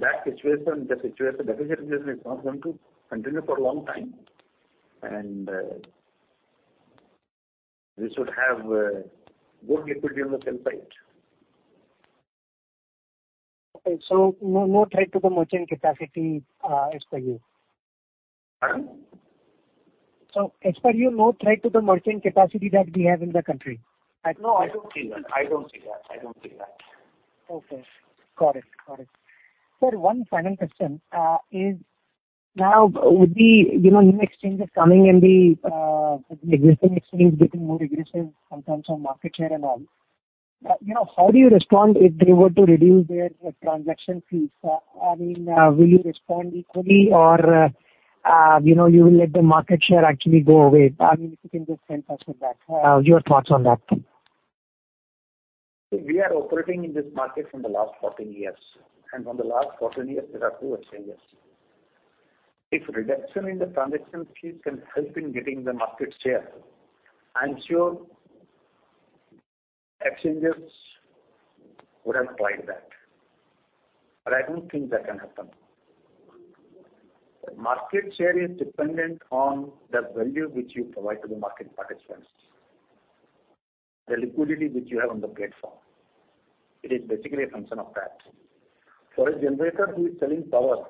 that deficit situation is not going to continue for a long time and we should have good liquidity on the sell side. No, no threat to the merchant capacity, as per you? Pardon? As per you, no threat to the merchant capacity that we have in the country? No, I don't see that. Okay. Got it. Sir, one final question, is now with the, you know, new exchanges coming and the, existing exchanges getting more aggressive in terms of market share and all, you know, how do you respond if they were to reduce their transaction fees? I mean, will you respond equally or, you know, you will let the market share actually go away? I mean, if you can just help us with that. Your thoughts on that. We are operating in this market from the last 14 years, and from the last 14 years there are two exchanges. If reduction in the transaction fees can help in getting the market share, I'm sure exchanges would have tried that, but I don't think that can happen. Market share is dependent on the value which you provide to the market participants. The liquidity which you have on the platform. It is basically a function of that. For a generator who is selling power,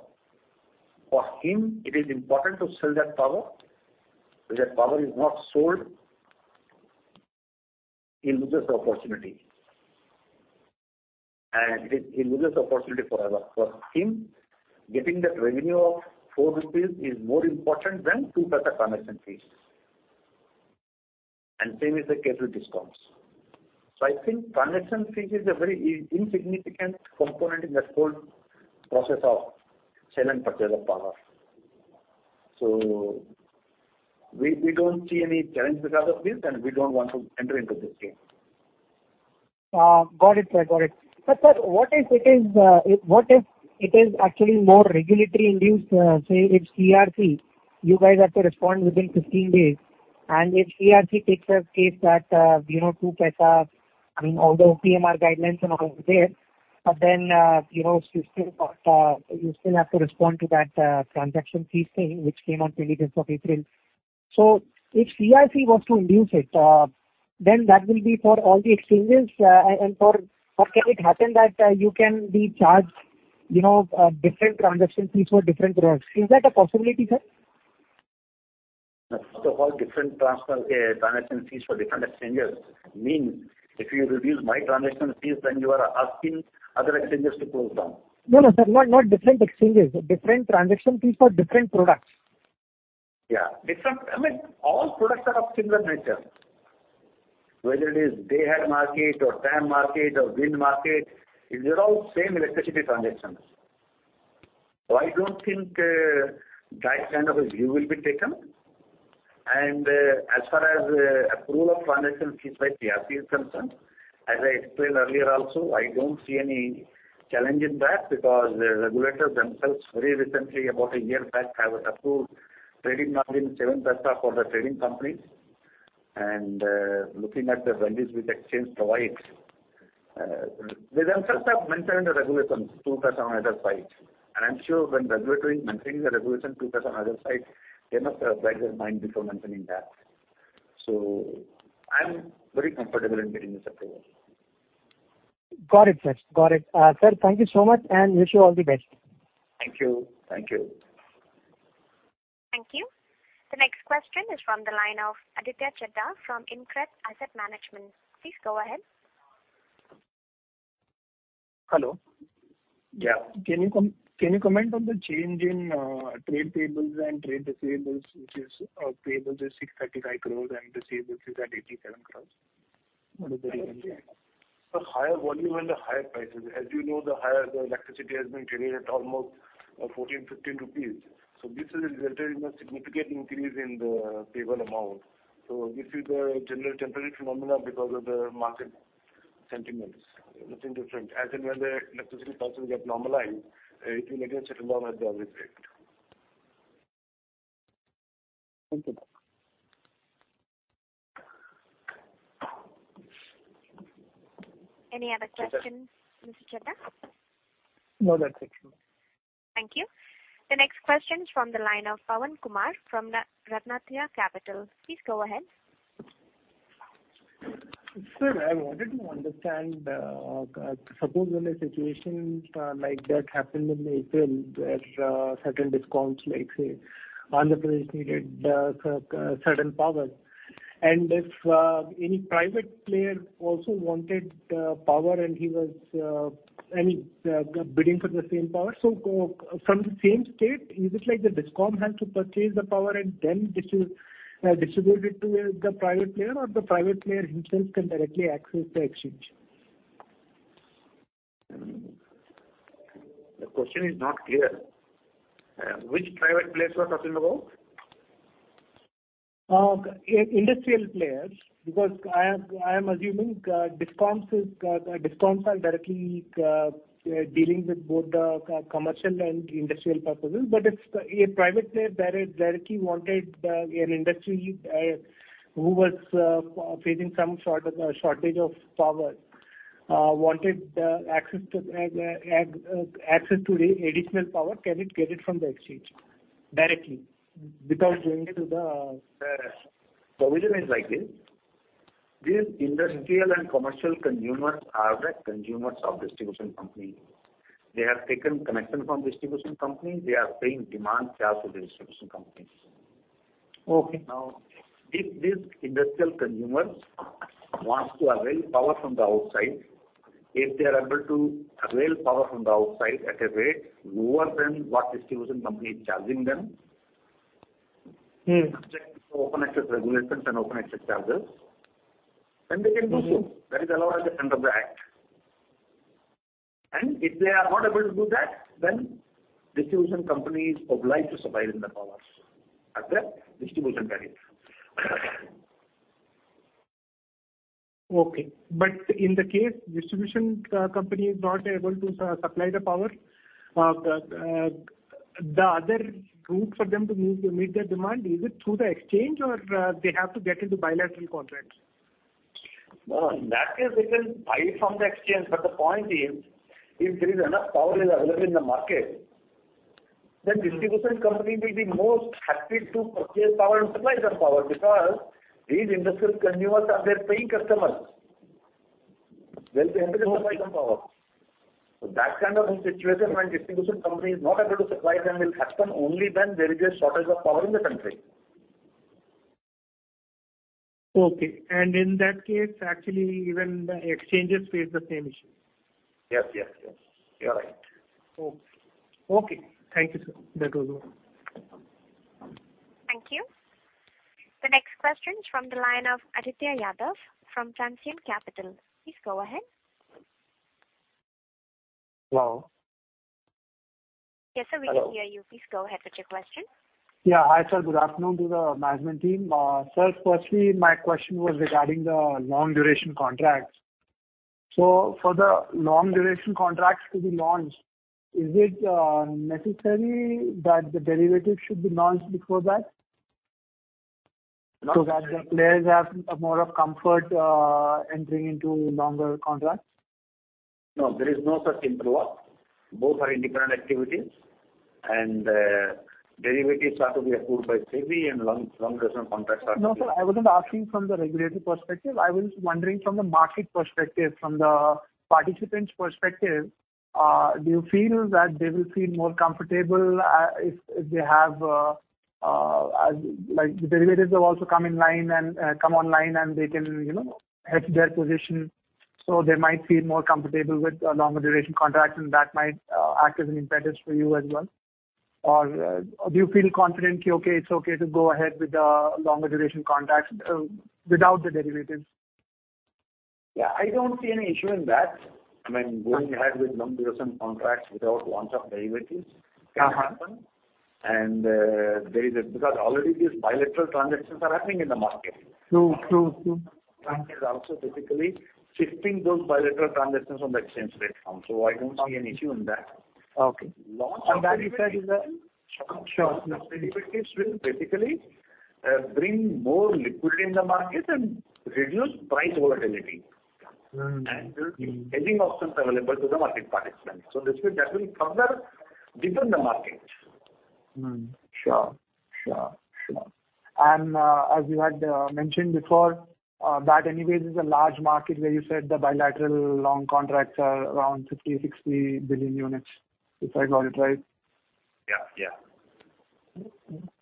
for him, it is important to sell that power. If that power is not sold, he loses the opportunity. He loses the opportunity forever. For him, getting that revenue of 4 rupees is more important than two paisa transaction fees. Same with the capacity discounts. I think transaction fees is a very insignificant component in that whole process of sale and purchase of power. We don't see any challenge because of this, and we don't want to enter into this game. Got it, sir. Got it. Sir, what if it is actually more regulatory induced, say it's CERC, you guys have to respond within 15 days, and if CERC takes a case that, you know, 0.02, I mean, although PMR guidelines and all are there, but then, you know, you still have to respond to that transaction fee thing which came on 25th of April. If CERC was to induce it, then that will be for all the exchanges, and for all. Can it happen that you can be charged, you know, different transaction fees for different products? Is that a possibility, sir? First of all, different transaction fees for different exchanges mean if you reduce my transaction fees, then you are asking other exchanges to close down. No, sir. Not different exchanges. Different transaction fees for different products. I mean, all products are of similar nature. Whether it is day-ahead market or time market or wind market, these are all same electricity transactions. I don't think that kind of a view will be taken. As far as approval of transaction fees by CERC is concerned, as I explained earlier also, I don't see any challenge in that because the regulators themselves very recently, about a year back, have approved trading margin seven paisa for the trading companies. Looking at the values which exchange provides, they themselves have mentioned the regulations two paisa on either side. I'm sure when regulator is mentioning the regulation two paisa on either side, they must have applied their mind before mentioning that. I am very comfortable in getting this approval. Got it, sir. Sir, thank you so much, and wish you all the best. Thank you. Thank you. Thank you. The next question is from the line of Aditya Chheda from InCred Asset Management. Please go ahead. Hello. Yeah. Can you comment on the change in trade payables and trade receivables, which is, payables is 635 crores and receivables is at 87 crores? What is the reason behind that? The higher volume and the higher prices. As you know, the higher the electricity has been traded at almost 14-15 rupees. This has resulted in a significant increase in the payable amount. This is a general temporary phenomenon because of the market sentiments. Nothing different. As and when the electricity prices get normalized, it will again settle down at the average rate. Thank you. Any other questions, Mr. Chheda? No, that's it. Thank you. The next question is from the line of Pavan Kumar from RatnaTraya Capital. Please go ahead. Sir, I wanted to understand, suppose when a situation like that happened in April, there's certain discounts, like, say, Andhra Pradesh needed certain power. If any private player also wanted power and he was bidding for the same power from the same state, is it like the DISCOM has to purchase the power and then distribute it to the private player or the private player himself can directly access the exchange? The question is not clear. Which private players we're talking about? Industrial players, because I am assuming DISCOMs are directly dealing with both the commercial and industrial purposes. If a private player directly wanted an industry who was facing some shortage of power wanted access to the additional power, can it get it from the exchange directly without going to the? The provision is like this. These industrial and commercial consumers are the consumers of distribution company. They have taken connection from distribution company. They are paying demand charge to the distribution company. Okay. Now, if these industrial consumers want to avail power from the outside, if they are able to avail power from the outside at a rate lower than what distribution company is charging them. Subject to open access regulations and open access charges, then they can do so. That is allowed at the end of the act. If they are not able to do that, then distribution company is obliged to supply them the power at the distribution tariff. Okay. In the case distribution company is not able to supply the power, the other route for them to meet their demand, is it through the exchange or they have to get into bilateral contracts? No. That is, they can buy from the exchange. The point is, if there is enough power available in the market, then distribution company will be more happy to purchase power and supply the power because these industrial consumers are their paying customers. Well, we have to supply some power. That kind of situation when distribution company is not able to supply then will happen only when there is a shortage of power in the country. Okay. In that case, actually, even the exchanges face the same issue. Yes, yes. You're right. Okay. Thank you, sir. That was all. Thank you. The next question is from the line of Aditya Yadav from Transient Capital. Please go ahead. Hello? Yes, sir. Hello. We can hear you. Please go ahead with your question. Yeah. Hi, sir. Good afternoon to the management team. Sir, firstly, my question was regarding the long duration contracts. For the long duration contracts to be launched, is it necessary that the derivative should be launched before that? No, sir. That the players have more of comfort, entering into longer contracts? No, there is no such interplay. Both are independent activities and, derivatives have to be approved by SEBI and long duration contracts are No, sir, I wasn't asking from the regulatory perspective. I was wondering from the market perspective, from the participants' perspective, do you feel that they will feel more comfortable, if they have, like the derivatives have also come in line and come online and they can, you know, hedge their position, so they might feel more comfortable with longer duration contracts and that might act as an impetus for you as well? Or, do you feel confident okay, it's okay to go ahead with the longer duration contracts without the derivatives? Yeah, I don't see any issue in that. I mean, going ahead with long duration contracts without launch of derivatives can happen and there is because already these bilateral transactions are happening in the market. True. is also basically shifting those bilateral transactions on the exchange platform. I don't see an issue in that. Okay. Launch of derivatives. On that you said is a- Sure, sure. Sure. Derivatives will basically bring more liquidity in the market and reduce price volatility. Mm-hmm. There will be hedging options available to the market participants. This will definitely further deepen the market. Mm-hmm. Sure. As you had mentioned before, that anyways is a large market where you said the bilateral long contracts are around 50-60 billion units, if I got it right. Yeah, yeah.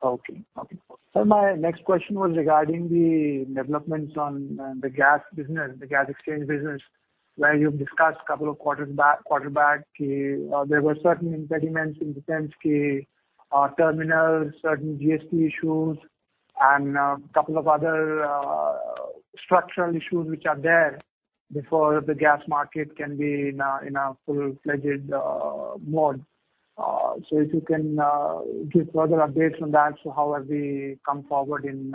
Okay, okay, cool. Sir, my next question was regarding the developments on the gas business, the gas exchange business, where you've discussed a couple of quarters back. There were certain impediments in the interim, certain GST issues and a couple of other structural issues which are there before the gas market can be in a full-fledged mode. If you can give further updates on that. How have we come forward in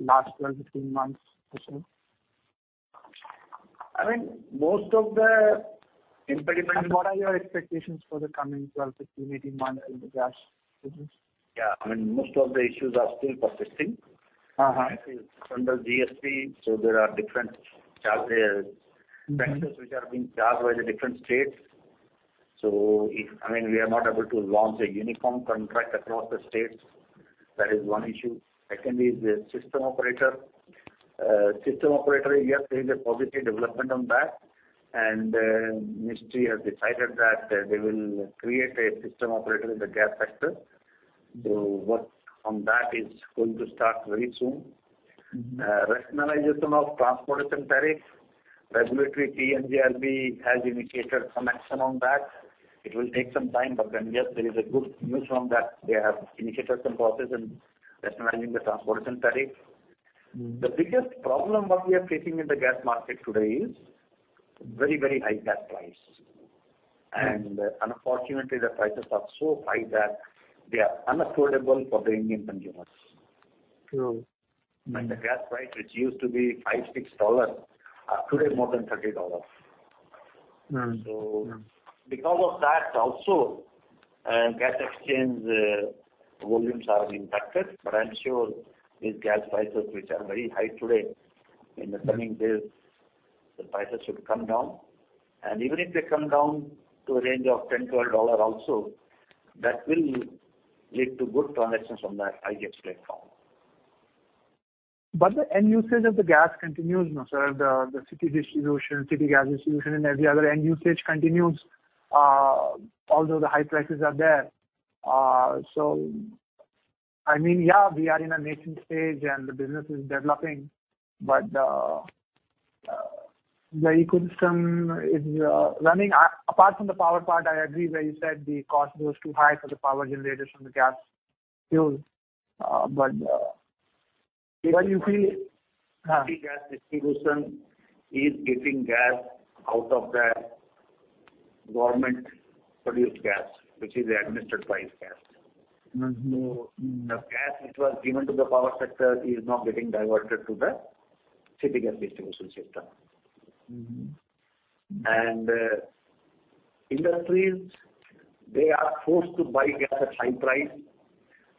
last 12 to 18 months or so? I mean, most of the impediment. What are your expectations for the coming 12 to 18 months in the gas business? Yeah. I mean, most of the issues are still persisting. Uh-huh. Under GST, there are different charges, taxes which are being charged by the different states. I mean, we are not able to launch a uniform contract across the states. That is one issue. Secondly, is the system operator. System operator, yes, there is a positive development on that. Ministry has decided that they will create a system operator in the gas sector. The work on that is going to start very soon. Mm-hmm. Rationalization of transportation tariffs, regulator PNGRB has indicated some action on that. It will take some time, but then, yes, there is good news on that. They have initiated some process in rationalizing the transportation tariff. Mm-hmm. The biggest problem what we are facing in the gas market today is very, very high gas price. Mm-hmm. Unfortunately, the prices are so high that they are unaffordable for the Indian consumers. True. The gas price, which used to be $5-$6, today more than $30. Mm-hmm. Because of that also and IGX volumes are impacted. I'm sure these gas prices which are very high today, in the coming days, the prices should come down. Even if they come down to a range of $10-$12 also, that will lead to good transactions on the IGX platform. The end usage of the gas continues, no sir? The city distribution, city gas distribution and every other end usage continues, although the high prices are there. I mean, yeah, we are in a nascent stage and the business is developing, but the ecosystem is running. Apart from the power part, I agree, where you said the cost goes too high for the power generators from the gas fuels. Well, you see. Uh. City gas distribution is getting gas out of the government-produced gas, which is administered by IGX. Mm-hmm. The gas which was given to the power sector is now getting diverted to the city gas distribution sector. Mm-hmm. Industries, they are forced to buy gas at high price,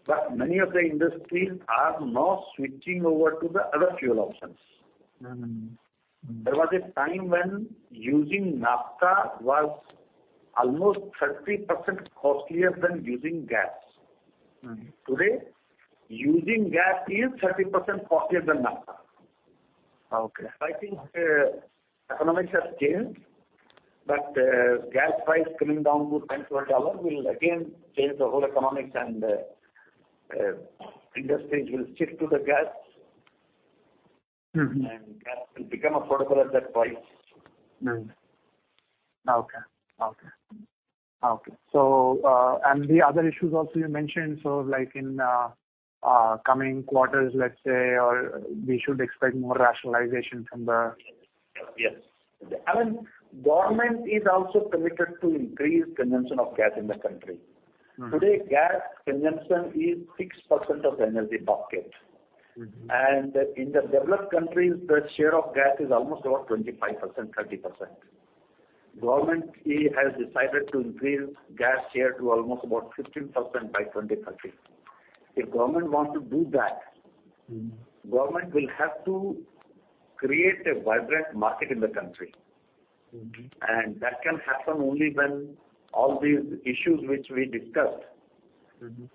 but many of the industries are now switching over to the other fuel options. Mm-hmm. There was a time when using naphtha was almost 30% costlier than using gas. Today, using gas is 30% costlier than now. Okay. I think, economics has changed, but, gas price coming down to $10-$12 will again change the whole economics and industries will stick to the gas. Mm-hmm. Gas will become affordable at that price. Mm-hmm. Okay. The other issues also you mentioned, so like in coming quarters, let's say, or we should expect more rationalization from the Yes. I mean, government is also committed to increase consumption of gas in the country. Mm-hmm. Today, gas consumption is 6% of energy bucket. Mm-hmm. In the developed countries, the share of gas is almost about 25%-30%. Government has decided to increase gas share to almost about 15% by 2030. If government want to do that. Mm-hmm. Government will have to create a vibrant market in the country. Mm-hmm. that can happen only when all these issues which we discussed. Mm-hmm.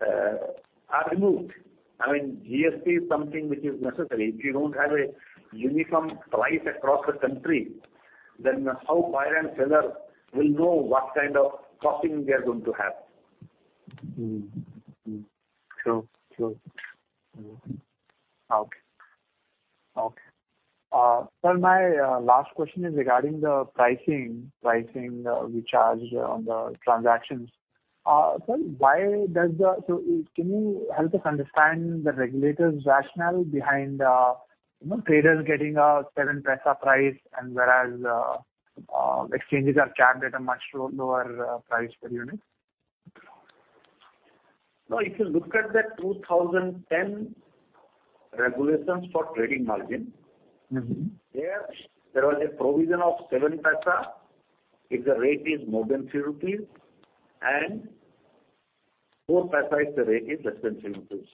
are removed. I mean, GST is something which is necessary. If you don't have a uniform price across the country, then how buyer and seller will know what kind of costing they are going to have? Sir, my last question is regarding the pricing we charge on the transactions. Can you help us understand the regulator's rationale behind, you know, traders getting a 7 paisa price and whereas exchanges are capped at a much lower price per unit? No, if you look at the 2010 regulations for trading margin. Mm-hmm. there was a provision of 0.07 if the rate is more than 3 rupees and 0.04 if the rate is less than 3 rupees.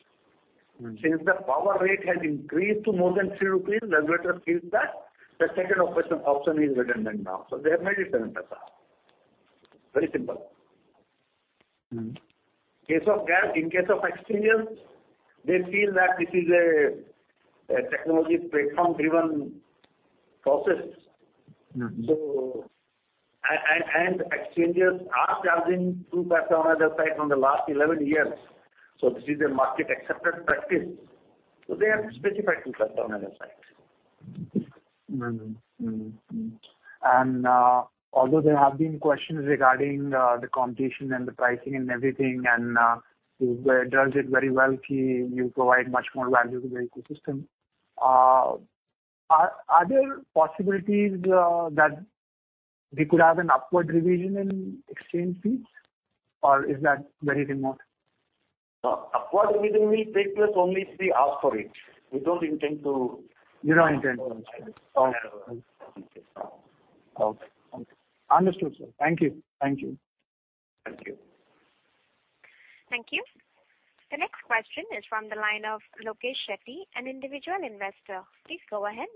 Mm-hmm. Since the power rate has increased to more than 3 rupees, regulators feels that the second option is redundant now, so they have made it 0.07. Very simple. Mm-hmm. In case of gas, in case of exchanges, they feel that this is a technology platform driven process. Mm-hmm. Exchanges are charging two paisa on other side from the last 11 years, so this is a market accepted practice. They have specified two paisa on other side. Although there have been questions regarding the competition and the pricing and everything, and you've done it very well, key you provide much more value to the ecosystem. Are there possibilities that we could have an upward revision in exchange fees? Or is that very remote? No. Upward revision will take place only if we ask for it. We don't intend to. You don't intend to. Ask for it. Okay. Understood, sir. Thank you. Thank you. Thank you. The next question is from the line of Lokesh Shetty, an individual investor. Please go ahead.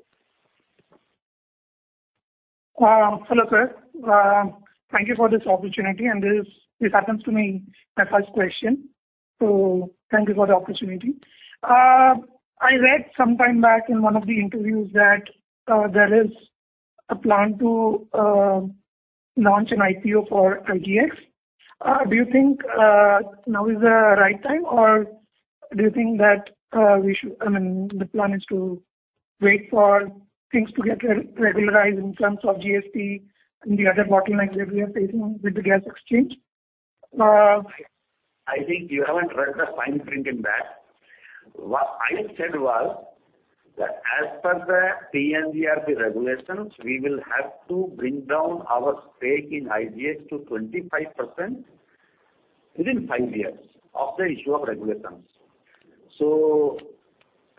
Hello, sir. Thank you for this opportunity. This happens to be my first question, so thank you for the opportunity. I read some time back in one of the interviews that there is a plan to launch an IPO for IGX. Do you think now is the right time or do you think that we should? I mean, the plan is to wait for things to get re-regularized in terms of GST and the other bottlenecks that we are facing with the gas exchange. I think you haven't read the fine print in that. What I said was that as per the PNGRB regulations, we will have to bring down our stake in IGX to 25% within 5 years of the issue of regulations.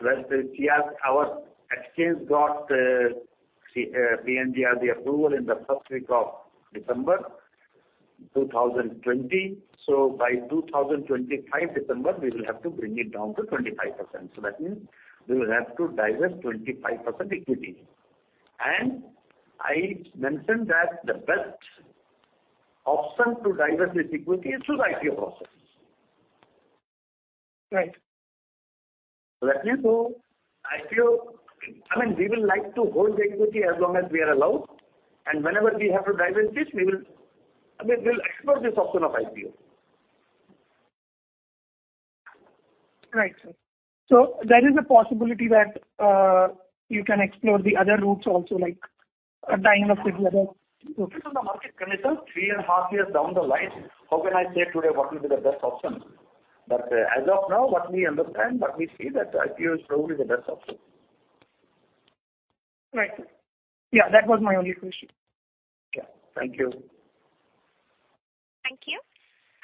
Let's say our exchange got PNGRB approval in the first week of December 2020. By December 2025, we will have to bring it down to 25%. That means we will have to divest 25% equity. I mentioned that the best option to divest this equity is through the IPO process. Right. That means to IPO, I mean, we will like to hold the equity as long as we are allowed, and whenever we have to divest this, we will, I mean, we'll explore this option of IPO. Right, sir. There is a possibility that you can explore the other routes also like a tying of similar routes. This is the market condition. Three and a half years down the line, how can I say today what will be the best option? As of now, what we understand, what we see that IPO is probably the best option. Right. Yeah, that was my only question. Okay. Thank you. Thank you.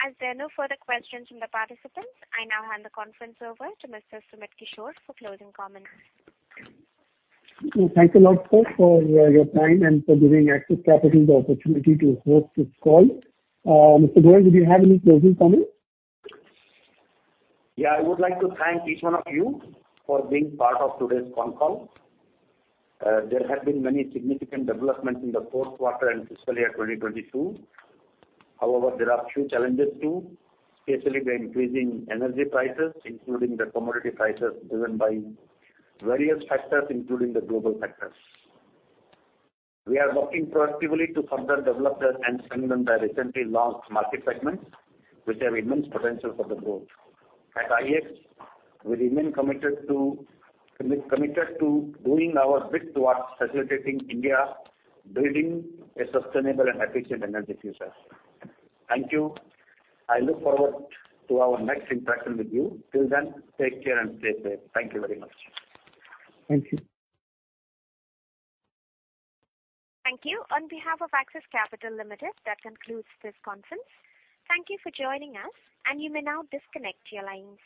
As there are no further questions from the participants, I now hand the conference over to Mr. Sumit Kishore for closing comments. Thanks a lot, sir, for your time and for giving Axis Capital the opportunity to host this call. Mr. Goel, do you have any closing comments? Yeah. I would like to thank each one of you for being part of today's con call. There have been many significant developments in the fourth quarter and fiscal year 2022. However, there are few challenges too, especially the increasing energy prices, including the commodity prices driven by various factors, including the global factors. We are working proactively to further develop and strengthen the recently launched market segments, which have immense potential for the growth. At IEX, we remain committed to doing our bit towards facilitating India building a sustainable and efficient energy future. Thank you. I look forward to our next interaction with you. Till then, take care and stay safe. Thank you very much. Thank you. Thank you. On behalf of Axis Capital Limited, that concludes this conference. Thank you for joining us, and you may now disconnect your lines.